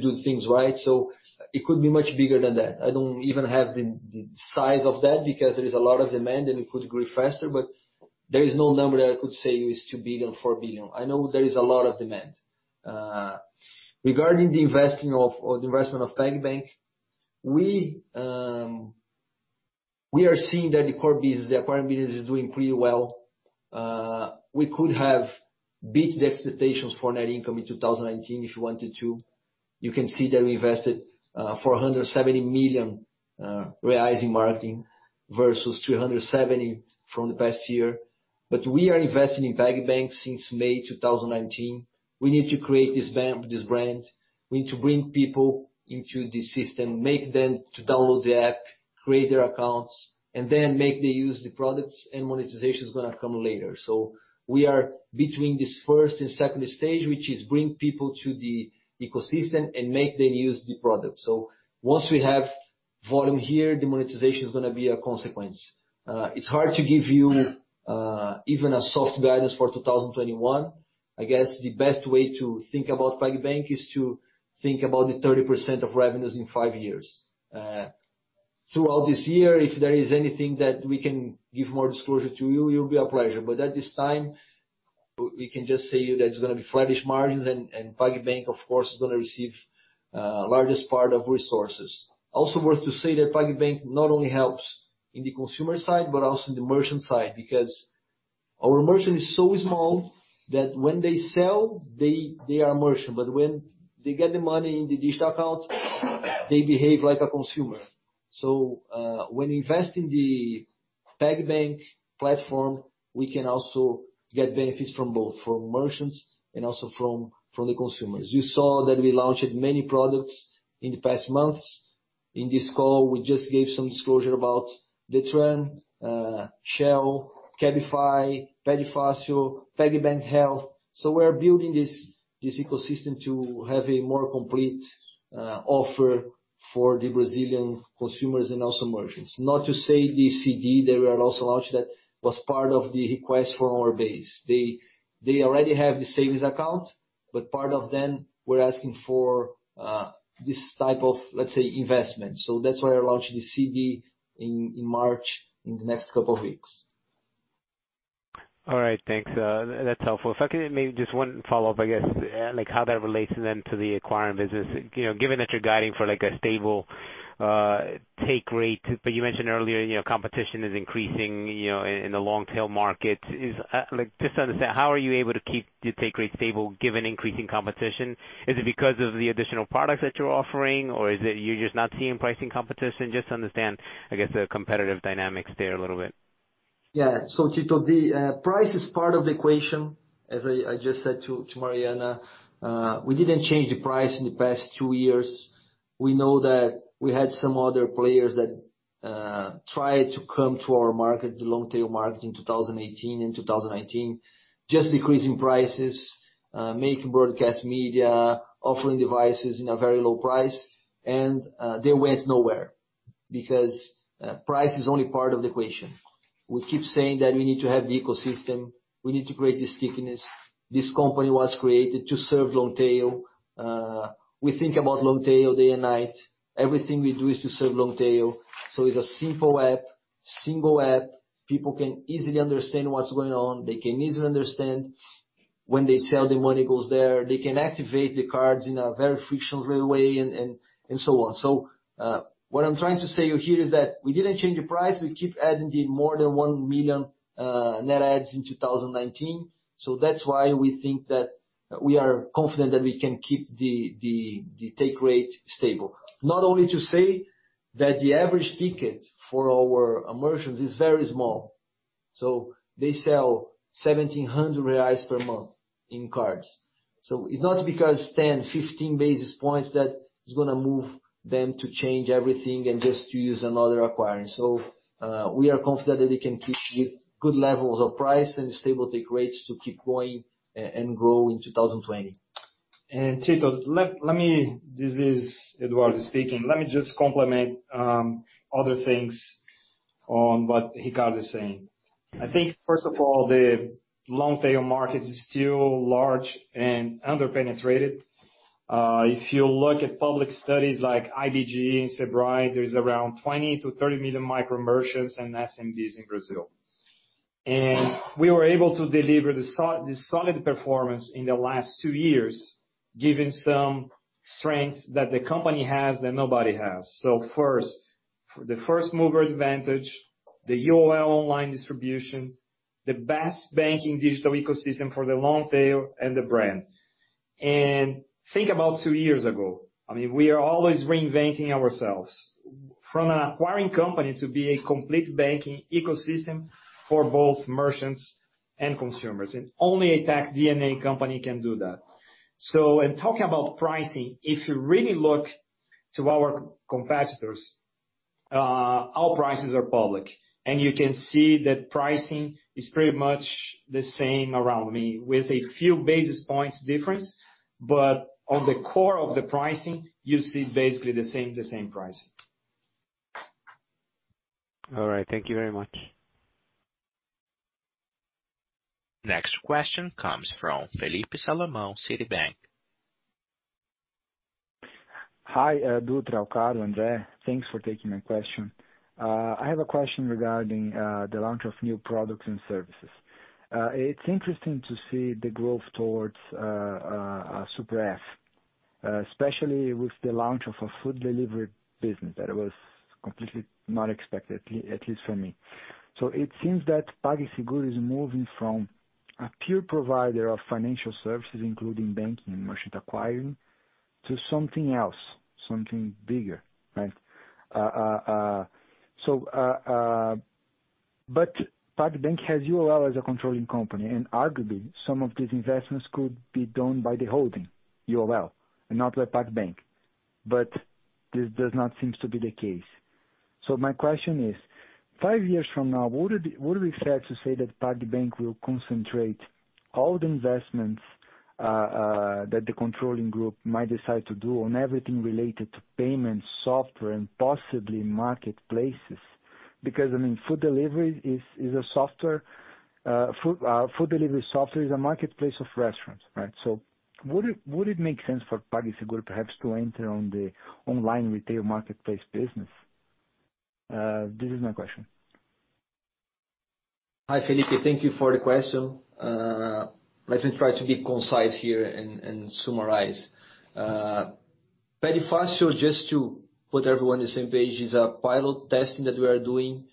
[SPEAKER 2] do things right. It could be much bigger than that. I don't even have the size of that because there is a lot of demand, and it could grow faster, but there is no number that I could say is 2 billion, 4 billion. I know there is a lot of demand. Regarding the investment of PagBank, we are seeing that the core business is doing pretty well. We could have beat the expectations for net income in 2019 if we wanted to. You can see that we invested 470 million reais in marketing versus 270 million from the past year. We are investing in PagBank since May 2019. We need to create this brand. We need to bring people into the system, make them to download the app, create their accounts, and then make them use the products and monetization is going to come later. We are between this first and second stage, which is bring people to the ecosystem and make them use the product. Once we have volume here, the monetization is going to be a consequence. It is hard to give you even a soft guidance for 2021. I guess the best way to think about PagBank is to think about the 30% of revenues in five years. Throughout this year, if there is anything that we can give more disclosure to you, it will be a pleasure. But at this time, we can just say that it is going to be flattish margins, and PagBank, of course, is going to receive largest part of resources. Worth to say that PagBank not only helps in the consumer side, but also in the merchant side, because our merchant is so small that when they sell, they are merchant, but when they get the money in the digital account, they behave like a consumer. When investing the PagBank platform, we can also get benefits from both, from merchants and also from the consumers. You saw that we launched many products in the past months. In this call, we just gave some disclosure about the Trend, Shell, Cabify, Pag Fácil, PagBank Health. We are building this ecosystem to have a more complete offer for the Brazilian consumers and also merchants. Not to say the CD that we also launched that was part of the request from our base. They already have the savings account, part of them were asking for this type of, let's say, investment. That's why I launched the CD in March, in the next couple of weeks.
[SPEAKER 8] All right. Thanks. That's helpful. If I could maybe just one follow-up, I guess. How that relates then to the acquiring business. Given that you're guiding for a stable take rate, but you mentioned earlier competition is increasing in the long-tail market. Just to understand, how are you able to keep your take rate stable given increasing competition? Is it because of the additional products that you're offering, or is it you're just not seeing pricing competition? Just to understand, I guess, the competitive dynamics there a little bit.
[SPEAKER 2] Yeah. Tito, the price is part of the equation. As I just said to Mariana, we didn't change the price in the past two years. We know that we had some other players that tried to come to our market, the long-tail market in 2018 and 2019, just decreasing prices, making broadcast media, offering devices in a very low price, and they went nowhere because price is only part of the equation. We keep saying that we need to have the ecosystem. We need to create the stickiness. This company was created to serve long-tail. We think about long-tail day and night. Everything we do is to serve long-tail. It's a simple app, single app. People can easily understand what's going on. They can easily understand when they sell, the money goes there. They can activate the cards in a very frictionless way and so on. What I'm trying to say here is that we didn't change the price. We keep adding the more than one million net adds in 2019. That's why we think that we are confident that we can keep the take rate stable. Not only to say that the average ticket for our merchants is very small. They sell 1,700 reais per month in cards. It's not because 10 basis points, 15 basis points that is going to move them to change everything and just to use another acquiring. We are confident that we can keep with good levels of price and stable take rates to keep growing and grow in 2020.
[SPEAKER 3] Tito, this is Eduardo speaking. Let me just complement other things on what Ricardo is saying. I think first of all, the long-tail market is still large and under-penetrated. If you look at public studies like IBGE and Sebrae, there's around 20 million-30 million micro merchants and SMBs in Brazil. We were able to deliver the solid performance in the last two years, given some strength that the company has that nobody has. First, the first-mover advantage, the UOL online distribution, the best banking digital ecosystem for the long-tail and the brand. Think about two years ago. I mean, we are always reinventing ourselves. From an acquiring company to be a complete banking ecosystem for both merchants and consumers, only a tech DNA company can do that. In talking about pricing, if you really look to our competitors, our prices are public. You can see that pricing is pretty much the same around me with a few basis points difference, but on the core of the pricing, you see basically the same price.
[SPEAKER 8] All right. Thank you very much.
[SPEAKER 1] Next question comes from Felipe Salomão, Citibank.
[SPEAKER 9] Hi, Dutra, Alcaro, André. Thanks for taking my question. I have a question regarding the launch of new products and services. It's interesting to see the growth towards Super App, especially with the launch of a food delivery business that was completely not expected, at least for me. It seems that PagSeguro is moving from a pure provider of financial services, including banking and merchant acquiring, to something else, something bigger, right? PagBank has UOL as a controlling company, and arguably, some of these investments could be done by the holding, UOL, and not by PagBank. This does not seem to be the case. My question is, five years from now, would it be fair to say that PagBank will concentrate all the investments that the controlling group might decide to do on everything related to payments, software, and possibly marketplaces? Food delivery software is a marketplace of restaurants, right? Would it make sense for PagSeguro perhaps to enter on the online retail marketplace business? This is my question.
[SPEAKER 2] Hi, Felipe. Thank you for the question. Let me try to be concise here and summarize. Pede Fácil, just to put everyone on the same page, is a pilot testing that we are doing.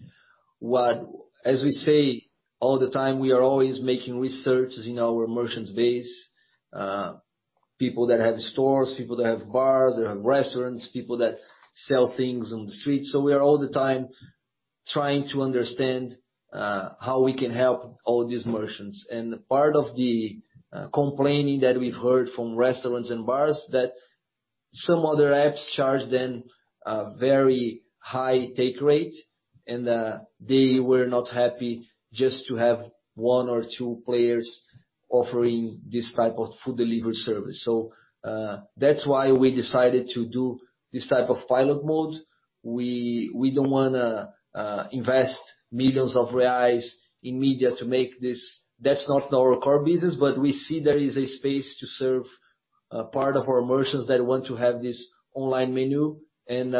[SPEAKER 2] As we say all the time, we are always making researches in our merchants base. People that have stores, people that have bars, that have restaurants, people that sell things on the street. We are all the time trying to understand how we can help all these merchants. And part of the complaining that we've heard from restaurants and bars, that some other apps charge them a very high take rate, and they were not happy just to have one or two players offering this type of food delivery service. That's why we decided to do this type of pilot mode. We don't want to invest millions of Brazilian Real in media to make this. That's not our core business, but we see there is a space to serve a part of our merchants that want to have this online menu and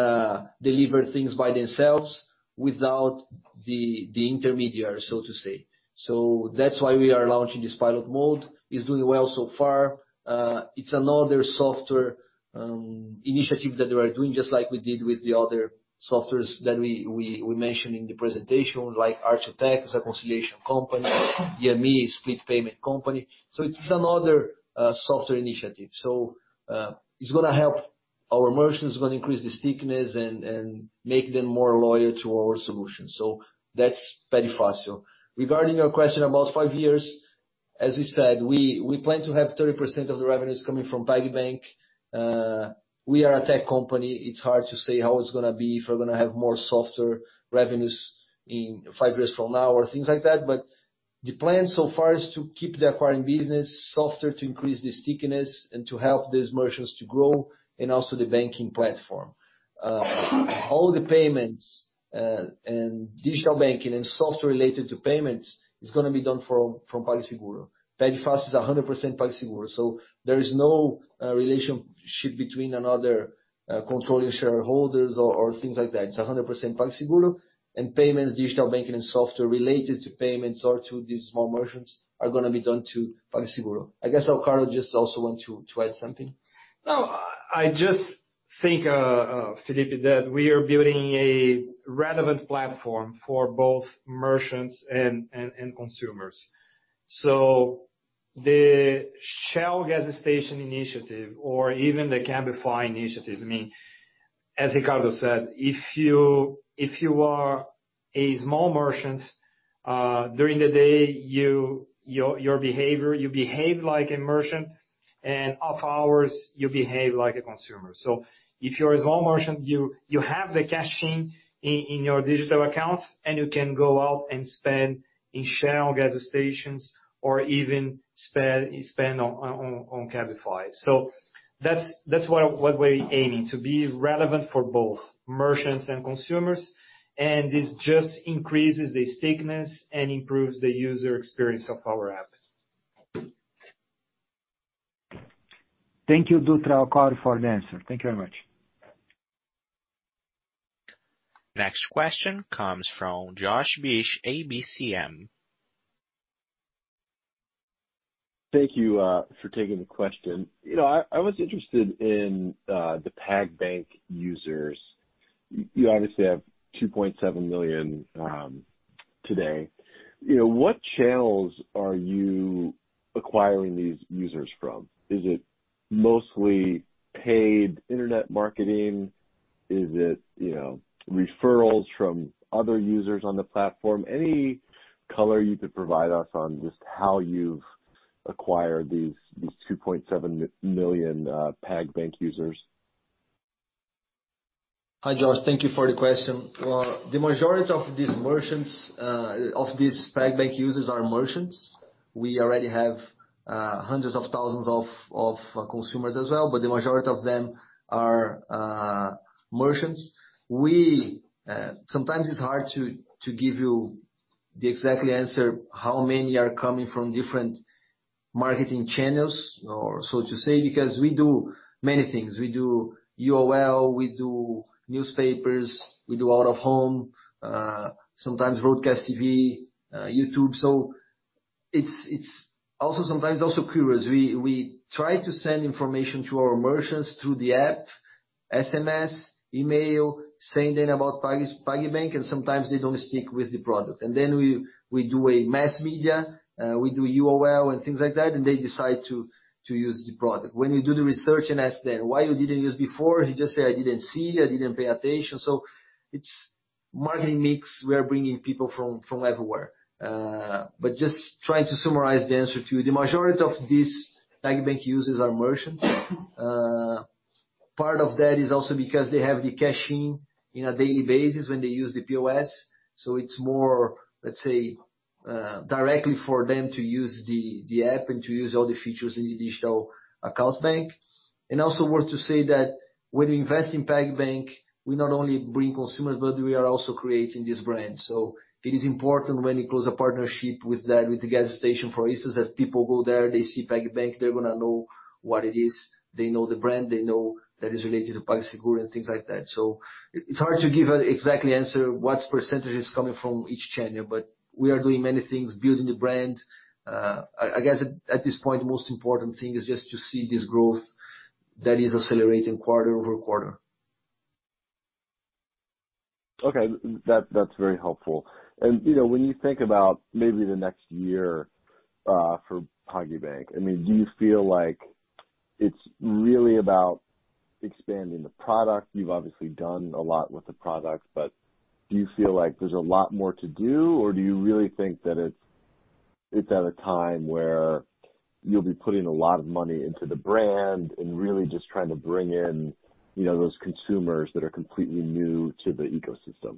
[SPEAKER 2] deliver things by themselves without the intermediary, so to say. That's why we are launching this pilot mode. It's doing well so far. It's another software initiative that we are doing, just like we did with the other softwares that we mentioned in the presentation, like Arkhatech, a conciliation company, EMI, split payment company. It's another software initiative. It's going to help our merchants, it's going to increase the stickiness and make them more loyal to our solution. That's Pede Fácil. Regarding your question about five years, as we said, we plan to have 30% of the revenues coming from PagBank. We are a tech company. It's hard to say how it's going to be, if we're going to have more software revenues in five years from now or things like that. The plan so far is to keep the acquiring business software to increase the stickiness and to help these merchants to grow, and also the banking platform. All the payments, and digital banking and software related to payments is going to be done from PagSeguro. Pede Fácil is 100% PagSeguro, so there is no relationship between another controlling shareholders or things like that. It's 100% PagSeguro. Payments, digital banking, and software related to payments or to these small merchants are going to be done to PagSeguro. I guess Alcaro just also want to add something.
[SPEAKER 3] No, I just think, Felipe, that we are building a relevant platform for both merchants and consumers. The Shell gas station initiative, or even the Cabify initiative, as Ricardo said, if you are a small merchant, during the day, you behave like a merchant, and off hours, you behave like a consumer. If you're a small merchant, you have the cash-in in your digital accounts, and you can go out and spend in Shell gas stations or even spend on Cabify. That's what we're aiming, to be relevant for both merchants and consumers, and this just increases the stickiness and improves the user experience of our app.
[SPEAKER 9] Thank you, Dutra, Alcaro, for the answer. Thank you very much.
[SPEAKER 1] Next question comes from Josh Beck, KBCM.
[SPEAKER 10] Thank you for taking the question. I was interested in the PagBank users. You obviously have 2.7 million today. What channels are you acquiring these users from? Is it mostly paid internet marketing? Is it referrals from other users on the platform? Any color you could provide us on just how you've acquired these 2.7 million PagBank users.
[SPEAKER 2] Hi, Josh. Thank you for the question. The majority of these PagBank users are merchants. We already have hundreds of thousands of consumers as well, but the majority of them are merchants. Sometimes it's hard to give you the exact answer, how many are coming from different marketing channels, so to say, because we do many things. We do UOL, we do newspapers, we do out-of-home, sometimes broadcast TV, YouTube. It's also sometimes also curious. We try to send information to our merchants through the app, SMS, email, saying then about PagBank, and sometimes they don't stick with the product. Then we do a mass media, we do UOL and things like that, and they decide to use the product. When you do the research and ask them, "Why you didn't use before?" He just say, "I didn't see. I didn't pay attention." It's marketing mix. We are bringing people from everywhere. Just trying to summarize the answer to you, the majority of these PagBank users are merchants. Part of that is also because they have the cash-in on a daily basis when they use the POS. It's more, let's say, directly for them to use the app and to use all the features in the digital account bank. Also worth to say that when you invest in PagBank, we not only bring consumers, but we are also creating this brand. It is important when you close a partnership with the gas station, for instance, that people go there, they see PagBank, they're going to know what it is. They know the brand, they know that it's related to PagSeguro and things like that. It's hard to give an exact answer what percentage is coming from each channel, but we are doing many things building the brand. I guess at this point, the most important thing is just to see this growth that is accelerating quarter-over-quarter.
[SPEAKER 10] Okay. That's very helpful. When you think about maybe the next year for PagBank, do you feel like it's really about expanding the product? You've obviously done a lot with the product, but do you feel like there's a lot more to do, or do you really think that it's at a time where you'll be putting a lot of money into the brand and really just trying to bring in those consumers that are completely new to the ecosystem?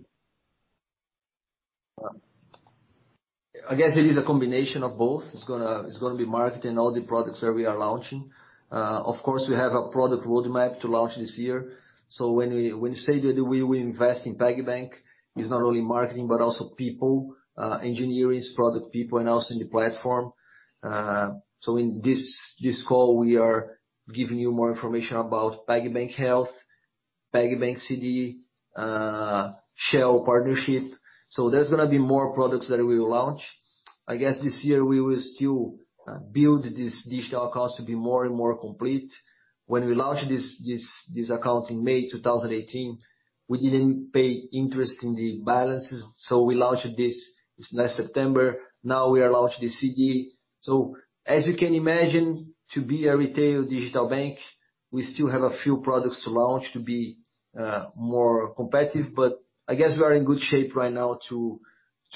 [SPEAKER 2] I guess it is a combination of both. It's going to be marketing all the products that we are launching. Of course, we have a product roadmap to launch this year. When we say that we invest in PagBank, it's not only marketing, but also people, engineers, product people, and also in the platform. In this call, we are giving you more information about PagBank Health, PagBank CD, Shell partnership. There's gonna be more products that we will launch. I guess this year we will still build this digital account to be more and more complete. When we launched this account in May 2018, we didn't pay interest in the balances, we launched this last September. Now we are launching the CD. As you can imagine, to be a retail digital bank, we still have a few products to launch to be more competitive. I guess we are in good shape right now to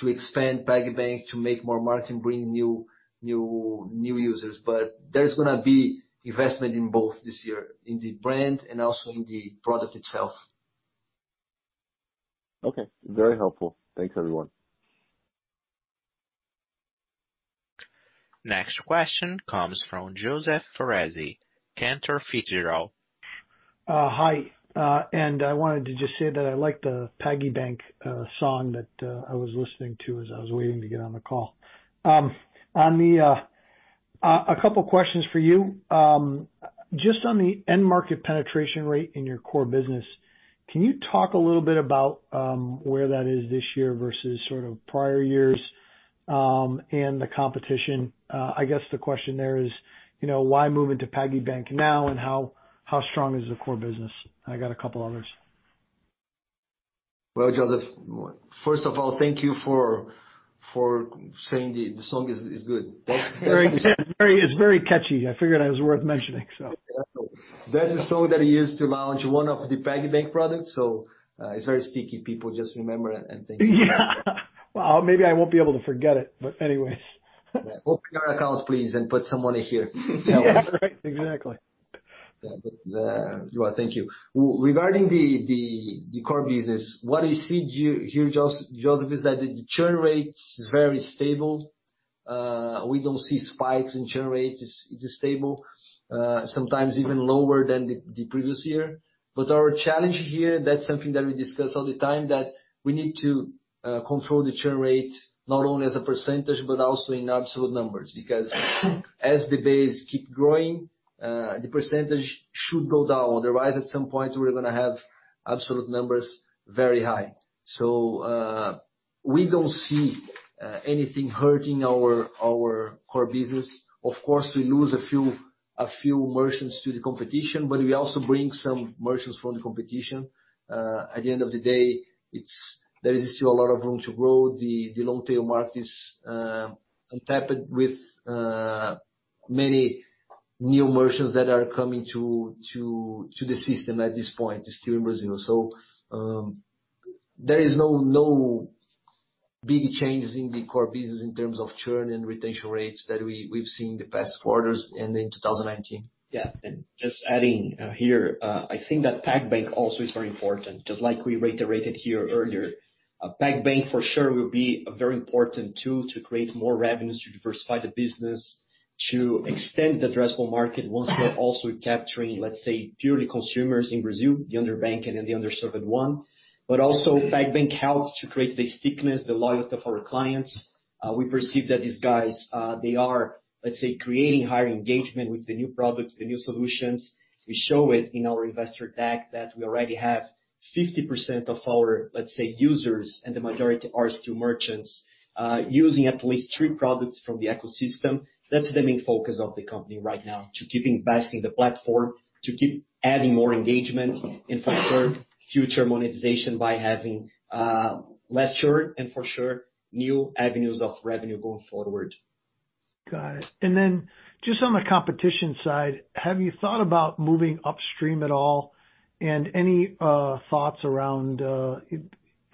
[SPEAKER 2] expand PagBank, to make more marketing, bring new users. There's gonna be investment in both this year, in the brand and also in the product itself.
[SPEAKER 10] Okay. Very helpful. Thanks, everyone.
[SPEAKER 1] Next question comes from Joseph Foresi, Cantor Fitzgerald.
[SPEAKER 11] Hi. I wanted to just say that I like the PagBank song that I was listening to as I was waiting to get on the call. A couple questions for you. Just on the end market penetration rate in your core business, can you talk a little bit about where that is this year versus sort of prior years? The competition. I guess the question there is, why move into PagBank now, and how strong is the core business? I got a couple others.
[SPEAKER 2] Well, Joseph, first of all, thank you for saying the song is good.
[SPEAKER 11] It's very catchy. I figured it was worth mentioning.
[SPEAKER 2] That's a song that we used to launch one of the PagBank products, so it's very sticky. People just remember it and think.
[SPEAKER 11] Yeah. Well, maybe I won't be able to forget it, but anyway.
[SPEAKER 2] Open your account, please, and put some money here.
[SPEAKER 11] Yeah. Right. Exactly.
[SPEAKER 2] Yeah, thank you. Regarding the core business, what I see here, Joseph, is that the churn rate is very stable. We don't see spikes in churn rates. It's stable, sometimes even lower than the previous year. Our challenge here, that's something that we discuss all the time, that we need to control the churn rate, not only as a percentage but also in absolute numbers, because as the base keep growing, the percentage should go down. Otherwise, at some point, we're going to have absolute numbers very high. We don't see anything hurting our core business. Of course, we lose a few merchants to the competition, but we also bring some merchants from the competition. At the end of the day, there is still a lot of room to grow. The long-tail market is untapped with many new merchants that are coming to the system at this point, still in Brazil. There is no big changes in the core business in terms of churn and retention rates that we've seen in the past quarters and in 2019.
[SPEAKER 6] Yeah, just adding here, I think that PagBank also is very important, just like we reiterated here earlier. PagBank, for sure, will be a very important tool to create more revenues, to diversify the business, to extend the addressable market once we're also capturing, let's say, purely consumers in Brazil, the underbanked and the underserved one. Also, PagBank helps to create the stickiness, the loyalty of our clients. We perceive that these guys are, let's say, creating higher engagement with the new products, the new solutions. We show it in our investor deck that we already have 50% of our, let's say, users, and the majority are still merchants, using at least three products from the ecosystem. That's the main focus of the company right now, to keep investing in the platform, to keep adding more engagement and for future monetization by having less churn and for sure, new avenues of revenue going forward.
[SPEAKER 11] Got it. Just on the competition side, have you thought about moving upstream at all? Any thoughts around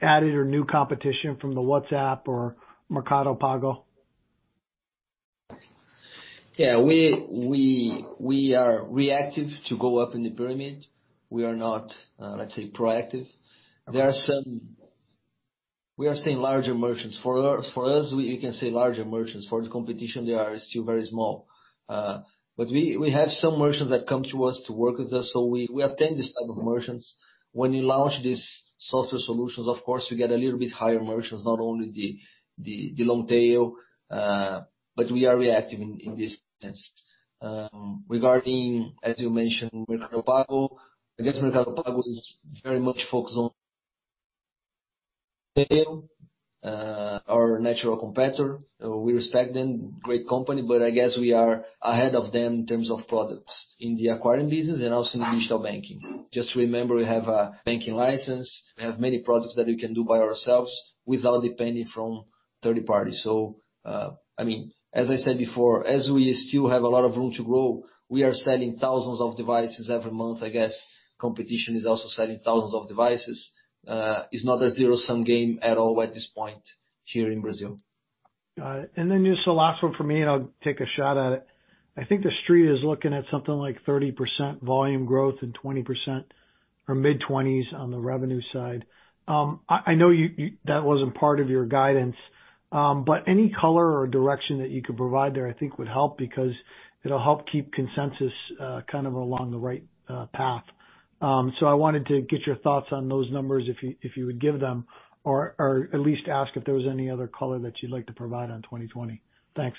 [SPEAKER 11] added or new competition from the WhatsApp or Mercado Pago?
[SPEAKER 2] Yeah, we are reactive to go up in the pyramid. We are not, let's say, proactive. We are seeing larger merchants. For us, you can say larger merchants. For the competition, they are still very small. We have some merchants that come to us to work with us. We attend this type of merchants. When you launch these software solutions, of course, you get a little bit higher merchants, not only the long-tail. We are reactive in this sense. Regarding, as you mentioned, Mercado Pago, I guess Mercado Pago is very much focused on our natural competitor. We respect them, great company. I guess we are ahead of them in terms of products in the acquiring business and also in the digital banking. Just remember, we have a banking license. We have many products that we can do by ourselves without depending from third parties. As I said before, as we still have a lot of room to grow, we are selling thousands of devices every month. I guess competition is also selling thousands of devices. It's not a zero-sum game at all at this point here in Brazil.
[SPEAKER 11] Got it. Then just the last one for me, I'll take a shot at it. I think the Street is looking at something like 30% volume growth and 20% or mid-20s on the revenue side. I know that wasn't part of your guidance, but any color or direction that you could provide there, I think would help, because it'll help keep consensus kind of along the right path. I wanted to get your thoughts on those numbers if you would give them, or at least ask if there was any other color that you'd like to provide on 2020. Thanks.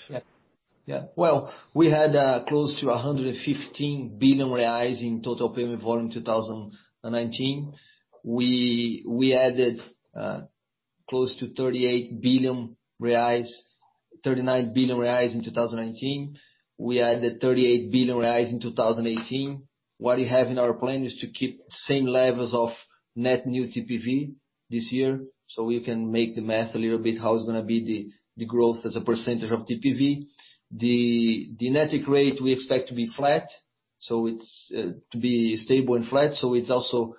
[SPEAKER 2] Yeah. Well, we had close to 115 billion reais in total payment volume 2019. We added close to 39 billion reais in 2019. We added 38 billion reais in 2018. What we have in our plan is to keep same levels of net new TPV this year, so you can make the math a little bit how it's going to be the growth as a percent of TPV. The net equate we expect to be flat, so it's to be stable and flat. It's also,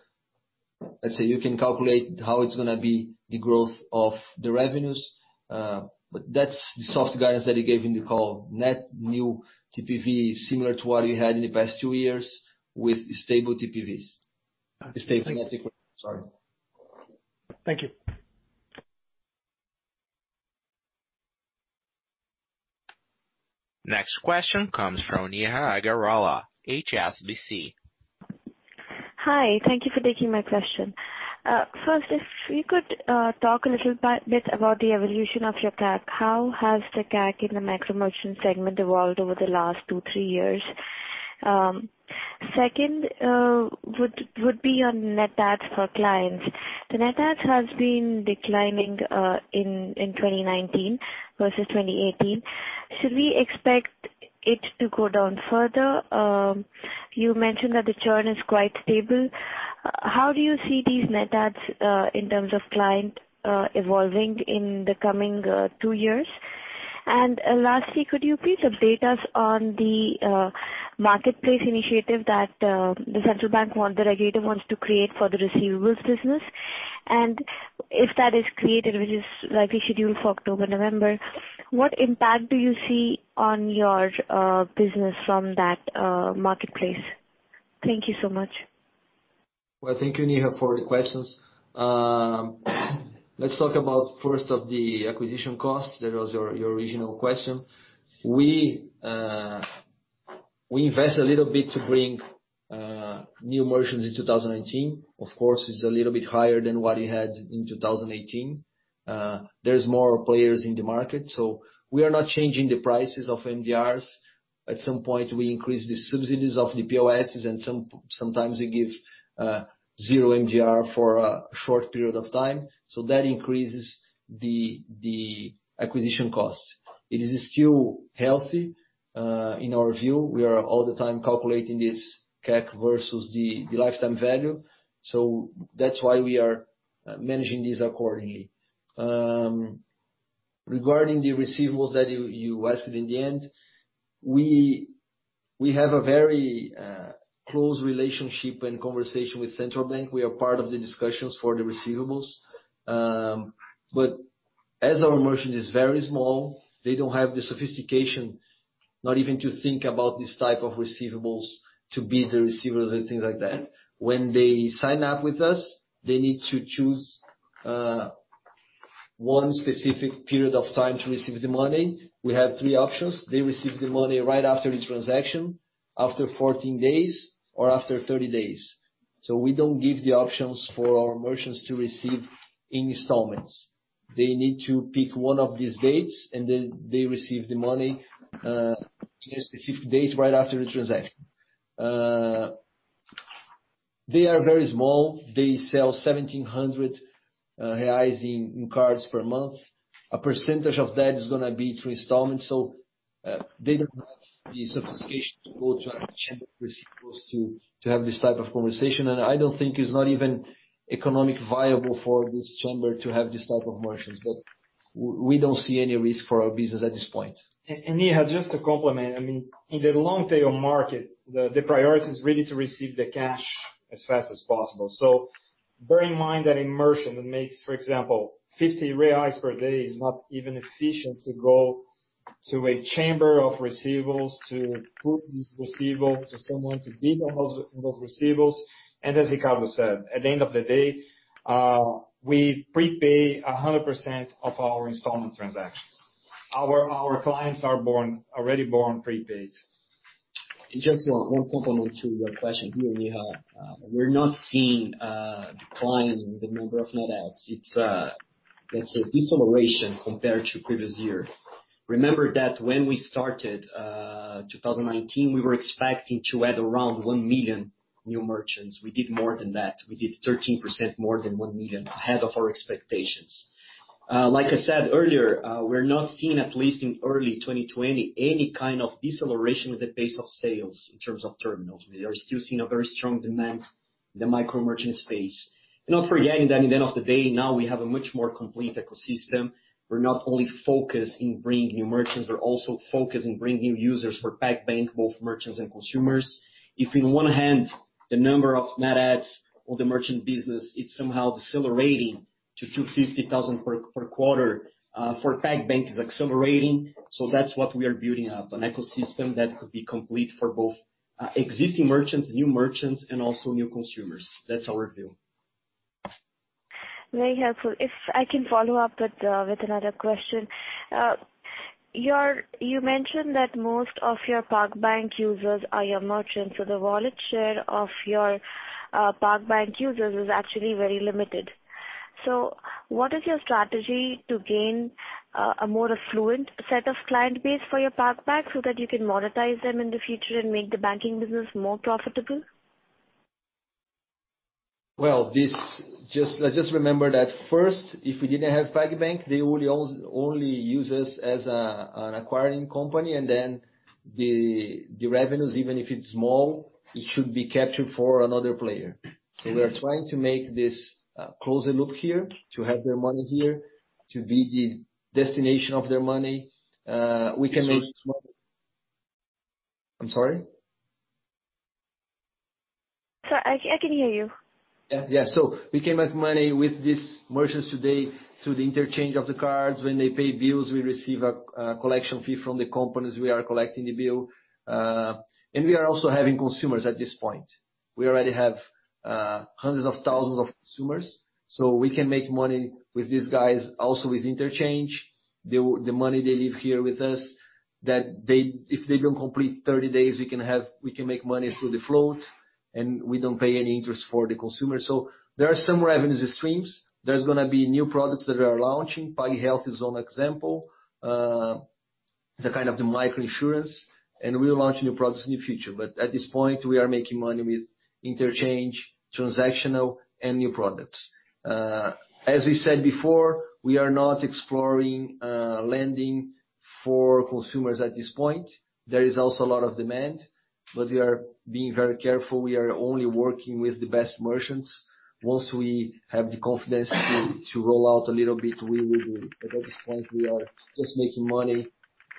[SPEAKER 2] let's say, you can calculate how it's going to be the growth of the revenues. That's the soft guidance that we gave in the call. Net new TPV is similar to what we had in the past two years with stable TPVs.
[SPEAKER 11] Got it.
[SPEAKER 2] Stable net equate. Sorry.
[SPEAKER 11] Thank you.
[SPEAKER 1] Next question comes from Neha Agarwala, HSBC.
[SPEAKER 12] Hi. Thank you for taking my question. First, if you could talk a little bit about the evolution of your CAC. How has the CAC in the micro merchant segment evolved over the last two, three years? Second would be on net adds for clients. The net add has been declining in 2019 versus 2018. Should we expect it to go down further? You mentioned that the churn is quite stable. How do you see these net adds in terms of client evolving in the coming two years? Lastly, could you please update us on the marketplace initiative that the Central Bank, the regulator wants to create for the receivables business? If that is created, which is likely scheduled for October, November, what impact do you see on your business from that marketplace? Thank you so much.
[SPEAKER 2] Well, thank you, Neha, for the questions. Let's talk about first of the acquisition costs. That was your original question. We invest a little bit to bring new merchants in 2019. Of course, it's a little bit higher than what we had in 2018. There's more players in the market. We are not changing the prices of MDRs. At some point, we increase the subsidies of the POS, and sometimes we give zero MDR for a short period of time. That increases the acquisition cost. It is still healthy, in our view. We are all the time calculating this CAC versus the lifetime value. That's why we are managing this accordingly. Regarding the receivables that you asked in the end, we have a very close relationship and conversation with Central Bank. We are part of the discussions for the receivables. As our merchant is very small, they don't have the sophistication, not even to think about this type of receivables, to be the receivables and things like that. When they sign up with us, they need to choose one specific period of time to receive the money. We have three options. They receive the money right after the transaction, after 14 days, or after 30 days. We don't give the options for our merchants to receive in installments. They need to pick one of these dates, and then they receive the money in a specific date right after the transaction. They are very small. They sell 1,700 reais in cards per month. A percentage of that is going to be through installments. They don't have the sophistication to go to a chamber receivables to have this type of conversation, and I don't think it's not even economic viable for this chamber to have this type of merchants. We don't see any risk for our business at this point.
[SPEAKER 3] Neha, just to complement, in the long-tail market, the priority is really to receive the cash as fast as possible. Bear in mind that a merchant that makes, for example, 50 reais per day is not even efficient to go to a chamber of receivables to put this receivable to someone to deed those receivables. As Ricardo said, at the end of the day, we prepay 100% of our installment transactions. Our clients are already born prepaid.
[SPEAKER 6] Just one complement to your question here, Neha. We're not seeing a decline in the number of net adds. It's a deceleration compared to previous year. Remember that when we started 2019, we were expecting to add around one million new merchants. We did more than that. We did 13% more than one million ahead of our expectations. Like I said earlier, we're not seeing, at least in early 2020, any kind of deceleration in the pace of sales in terms of terminals. We are still seeing a very strong demand in the micro-merchant space. Not forgetting that at the end of the day, now we have a much more complete ecosystem. We're not only focused in bringing new merchants, we're also focused in bringing new users for PagBank, both merchants and consumers. If in one hand, the number of net adds or the merchant business, it's somehow decelerating to 250,000 per quarter, for PagBank, it's accelerating. That's what we are building up, an ecosystem that could be complete for both existing merchants, new merchants, and also new consumers. That's our view.
[SPEAKER 12] Very helpful. If I can follow up with another question. You mentioned that most of your PagBank users are your merchants, so the wallet share of your PagBank users is actually very limited. What is your strategy to gain a more affluent set of client base for your PagBank so that you can monetize them in the future and make the banking business more profitable?
[SPEAKER 2] Just remember that first, if we didn't have PagBank, they only use us as an acquiring company, and then the revenues, even if it's small, it should be captured for another player. We are trying to make this a closer loop here to have their money here, to be the destination of their money. I'm sorry?
[SPEAKER 12] Sorry, I can hear you.
[SPEAKER 2] We can make money with these merchants today through the interchange of the cards. When they pay bills, we receive a collection fee from the companies we are collecting the bill. We are also having consumers at this point. We already have hundreds of thousands of consumers, we can make money with these guys also with interchange. The money they leave here with us, if they don't complete 30 days, we can make money through the float. We don't pay any interest for the consumer. There are some revenue streams. There's going to be new products that we are launching. PagHealth is one example. It's a kind of microinsurance, we'll launch new products in the future. At this point, we are making money with interchange, transactional, and new products. As we said before, we are not exploring lending for consumers at this point. There is also a lot of demand, but we are being very careful. We are only working with the best merchants. Once we have the confidence to roll out a little bit, we will do. At this point, we are just making money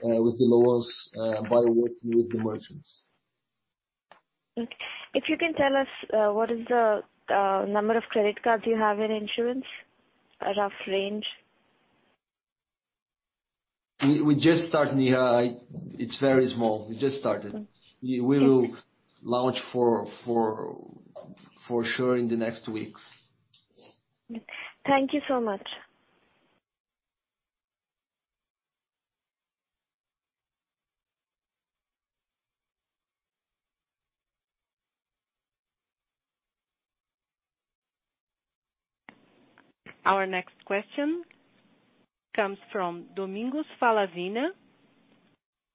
[SPEAKER 2] with the loans by working with the merchants.
[SPEAKER 12] Okay. If you can tell us what is the number of credit cards you have in issuance? A rough range.
[SPEAKER 2] We just start, Neha. It's very small. We just started.
[SPEAKER 12] Okay.
[SPEAKER 2] We will launch for sure in the next weeks.
[SPEAKER 12] Thank you so much.
[SPEAKER 1] Our next question comes from Domingos Falavina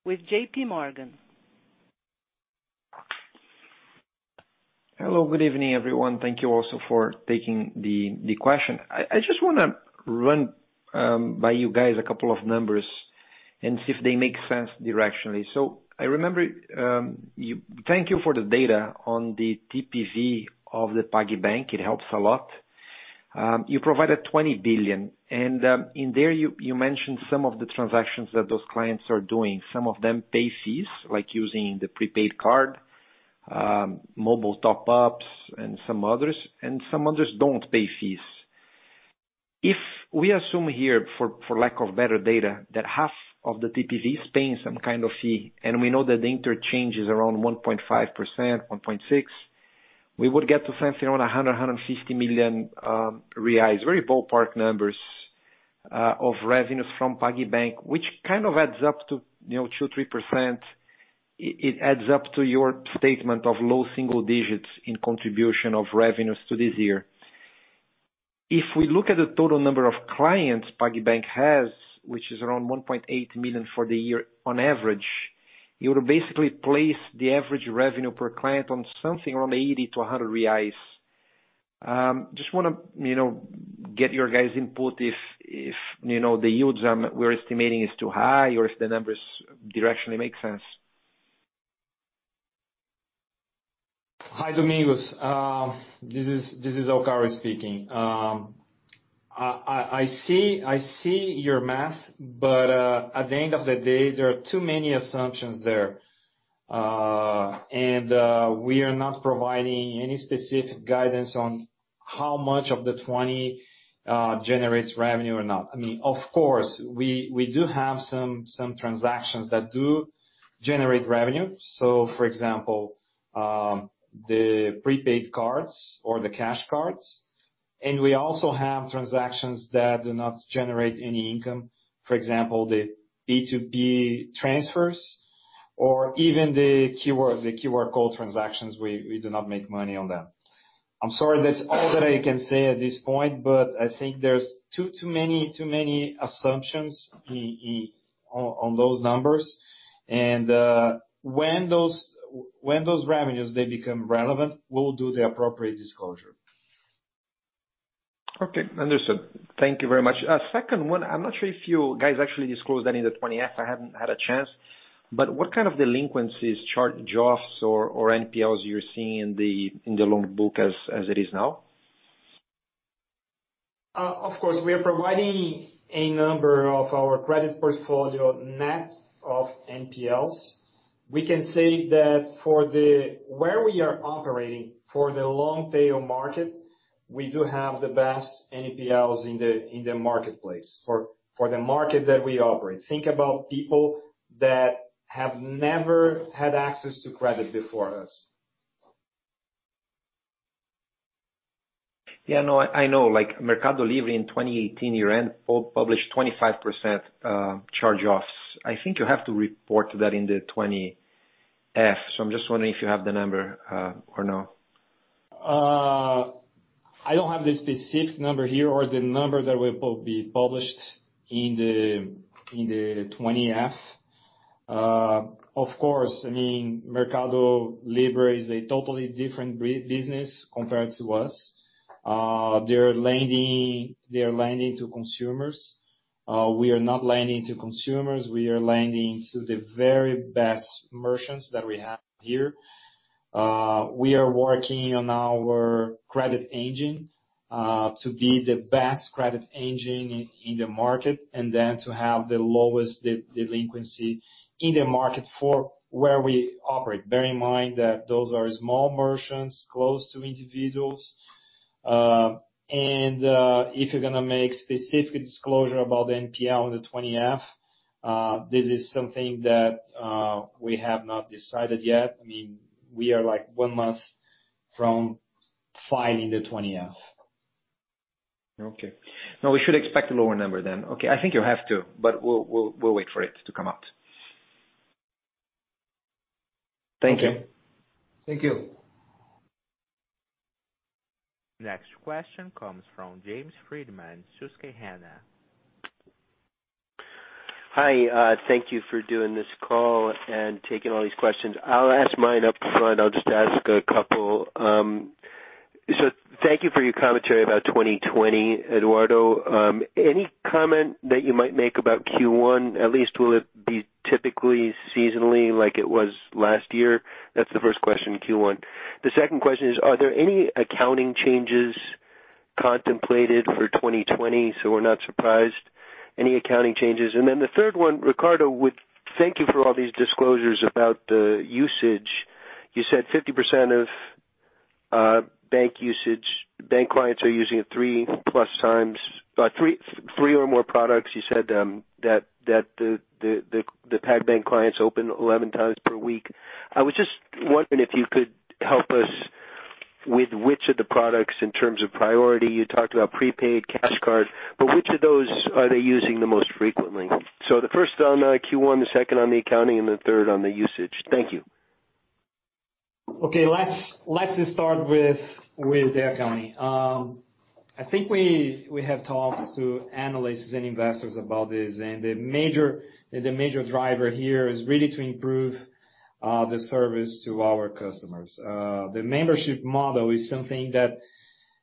[SPEAKER 1] with JPMorgan.
[SPEAKER 13] Hello, good evening, everyone. Thank you also for taking the question. I just want to run by you guys a couple of numbers and see if they make sense directionally. Thank you for the data on the TPV of the PagBank. It helps a lot. You provided 20 billion. In there you mentioned some of the transactions that those clients are doing. Some of them pay fees, like using the prepaid card, mobile top-ups, and some others. Some others don't pay fees. If we assume here, for lack of better data, that half of the TPVs pay some kind of fee, and we know that the interchange is around 1.5%, 1.6%, we would get to something around 100 million-150 million reais. Very ballpark numbers of revenues from PagBank, which kind of adds up to 2%, 3%. It adds up to your statement of low single digits in contribution of revenues to this year. If we look at the total number of clients PagBank has, which is around 1.8 million for the year on average, you would basically place the average revenue per client on something around 80-100 reais. Just want to get your guys' input if the yields we're estimating is too high or if the numbers directionally make sense.
[SPEAKER 3] Hi, Domingos. This is Alcaro speaking. I see your math, at the end of the day, there are too many assumptions there. We are not providing any specific guidance on how much of the 20 generates revenue or not. Of course, we do have some transactions that do generate revenue. For example, the prepaid cards or the cash cards. We also have transactions that do not generate any income. For example, the B2B transfers or even the QR code transactions, we do not make money on them. I'm sorry, that's all that I can say at this point, but I think there's too many assumptions on those numbers. When those revenues, they become relevant, we'll do the appropriate disclosure.
[SPEAKER 13] Okay, understood. Thank you very much. Second one, I'm not sure if you guys actually disclosed any of the 20-F. I haven't had a chance. What kind of delinquencies, charge-offs or NPLs you're seeing in the loan book as it is now?
[SPEAKER 2] Of course, we are providing a number of our credit portfolio net of NPLs. We can say that where we are operating for the long-tail market, we do have the best NPLs in the marketplace, for the market that we operate. Think about people that have never had access to credit before us.
[SPEAKER 13] Yeah, I know. Mercado Libre in 2018, year-end, published 25% charge-offs. I think you have to report that in the 20-F. I'm just wondering if you have the number or no.
[SPEAKER 3] I don't have the specific number here or the number that will be published in the 20-F. Of course, Mercado Libre is a totally different business compared to us. They're lending to consumers. We are not lending to consumers. We are lending to the very best merchants that we have here. We are working on our credit engine to be the best credit engine in the market, and then to have the lowest delinquency in the market for where we operate. Bear in mind that those are small merchants, close to individuals. If you're going to make specific disclosure about the NPL in the 20-F, this is something that we have not decided yet. We are one month from filing the 20-F.
[SPEAKER 13] Okay. No, we should expect a lower number then. Okay. I think you have to, but we'll wait for it to come out. Thank you.
[SPEAKER 2] Thank you.
[SPEAKER 1] Next question comes from James Friedman, Susquehanna.
[SPEAKER 14] Hi. Thank you for doing this call and taking all these questions. I'll ask mine up front. I'll just ask a couple. Thank you for your commentary about 2020, Eduardo. Any comment that you might make about Q1 at least, will it be typically seasonally like it was last year? That's the first question, Q1. The second question is, are there any accounting changes contemplated for 2020, so we're not surprised? Any accounting changes? The third one, Ricardo, thank you for all these disclosures about the usage. You said 50% of PagBank usage, PagBank clients are using it three or more products. You said that the PagBank clients open 11x per week. I was just wondering if you could help us with which of the products in terms of priority. You talked about prepaid cash card, which of those are they using the most frequently? The first on Q1, the second on the accounting, and the third on the usage. Thank you.
[SPEAKER 3] Okay. Let's just start with the accounting. I think we have talked to analysts and investors about this. The major driver here is really to improve the service to our customers. The membership model is something that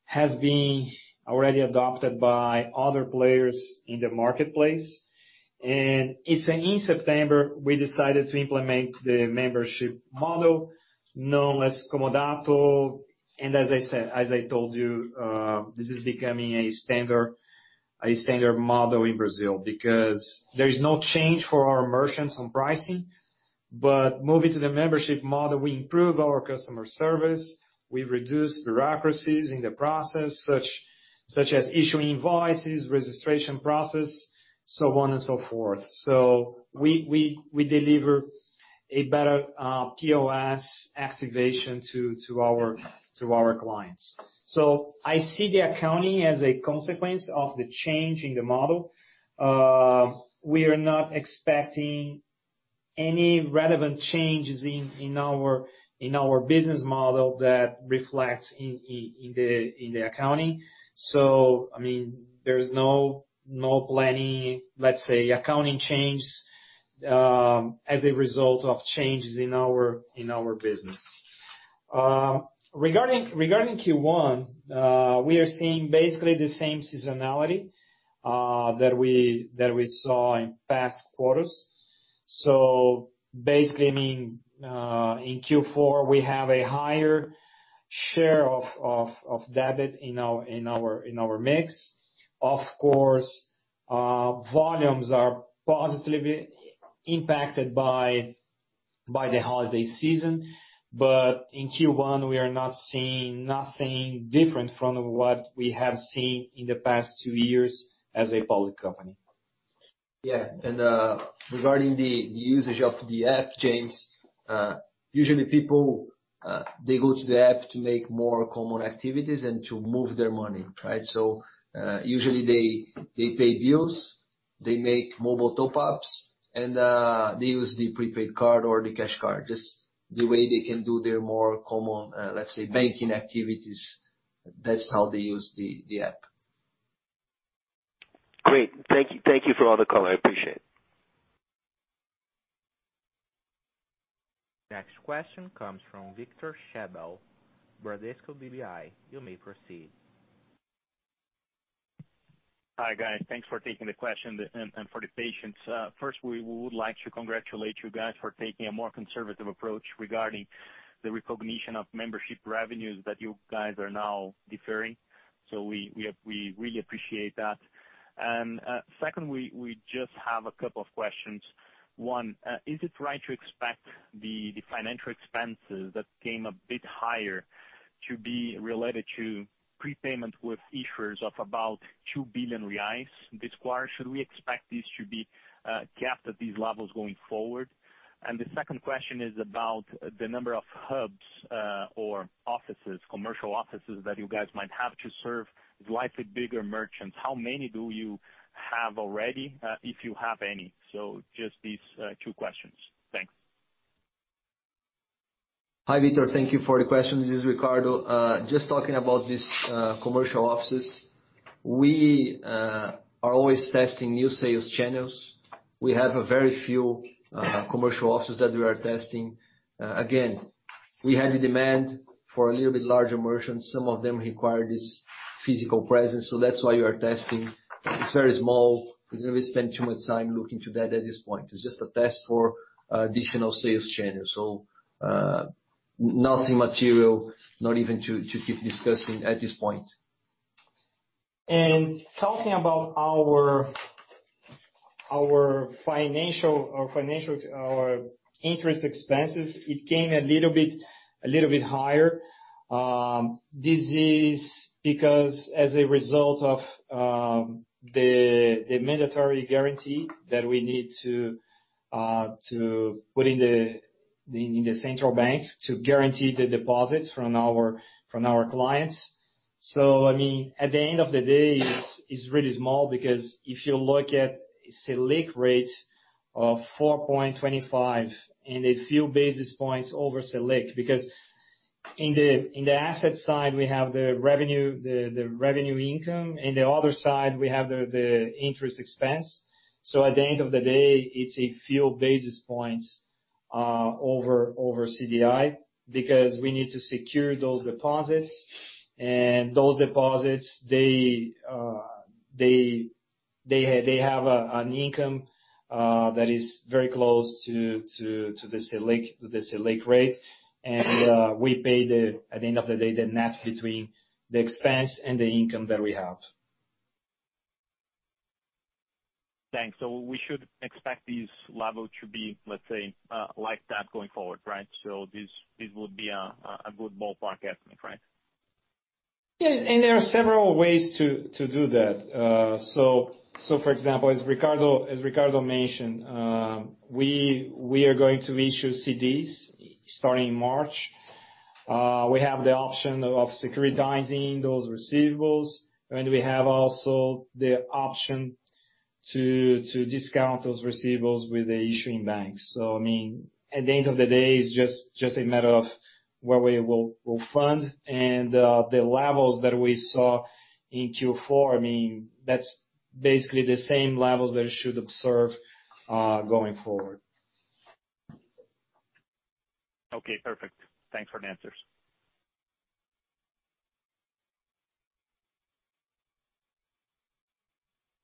[SPEAKER 3] has been already adopted by other players in the marketplace. In September, we decided to implement the membership model known as Comodato. As I told you, this is becoming a standard model in Brazil because there is no change for our merchants on pricing. Moving to the membership model, we improve our customer service. We reduce bureaucracies in the process, such as issuing invoices, registration process, so on and so forth. We deliver a better POS activation to our clients. I see the accounting as a consequence of the change in the model. We are not expecting any relevant changes in our business model that reflects in the accounting. There is no planning, let's say, accounting change, as a result of changes in our business. Regarding Q1, we are seeing basically the same seasonality that we saw in past quarters. Basically, in Q4, we have a higher share of debit in our mix. Of course, volumes are positively impacted by the holiday season. In Q1, we are not seeing nothing different from what we have seen in the past two years as a public company.
[SPEAKER 2] Yeah. Regarding the usage of the app, James, usually people they go to the app to make more common activities and to move their money, right? Usually they pay bills, they make mobile top-ups, and they use the prepaid card or the cash card, just the way they can do their more common, let's say, banking activities. That's how they use the app.
[SPEAKER 14] Great. Thank you for all the color. I appreciate it.
[SPEAKER 1] Next question comes from Victor Schabbel, Bradesco BBI. You may proceed.
[SPEAKER 15] Hi, guys. Thanks for taking the question and for the patience. First, we would like to congratulate you guys for taking a more conservative approach regarding the recognition of membership revenues that you guys are now deferring. We really appreciate that. Second, we just have a couple of questions. One, is it right to expect the financial expenses that came a bit higher to be related to prepayment with issuers of about 2 billion reais this quarter? Should we expect this to be capped at these levels going forward? The second question is about the number of hubs or commercial offices that you guys might have to serve slightly bigger merchants. How many do you have already, if you have any? Just these two questions. Thanks.
[SPEAKER 2] Hi, Victor. Thank you for the question. This is Ricardo. Just talking about these commercial offices. We are always testing new sales channels. We have a very few commercial offices that we are testing. Again, we had the demand for a little bit larger merchants. Some of them require this physical presence, so that's why we are testing. It's very small. We don't spend too much time looking to that at this point. It's just a test for additional sales channels. Nothing material, not even to keep discussing at this point.
[SPEAKER 3] Talking about our interest expenses, it came a little bit higher. This is because as a result of the mandatory guarantee that we need to put in the Central Bank to guarantee the deposits from our clients. At the end of the day, it's really small because if you look at Selic rate of 4.25 and a few basis points over Selic, because in the asset side, we have the revenue income, and the other side, we have the interest expense. At the end of the day, it's a few basis points over CDI because we need to secure those deposits. Those deposits, they have an income that is very close to the Selic rate. We pay, at the end of the day, the net between the expense and the income that we have.
[SPEAKER 15] Thanks. We should expect this level to be, let's say, like that going forward, right? This would be a good ballpark estimate, right?
[SPEAKER 3] Yeah. And there are several ways to do that. For example, as Ricardo mentioned, we are going to issue CDs starting in March. We have the option of securitizing those receivables, and we have also the option to discount those receivables with the issuing banks. At the end of the day, it's just a matter of where we will fund and the levels that we saw in Q4. That's basically the same levels that you should observe going forward.
[SPEAKER 15] Okay, perfect. Thanks for the answers.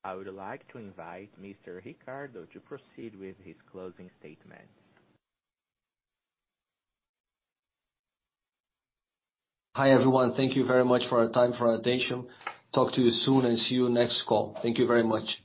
[SPEAKER 1] I would like to invite Mr. Ricardo to proceed with his closing statement.
[SPEAKER 2] Hi, everyone. Thank you very much for your time and for your attention. Talk to you soon and see you next call. Thank you very much.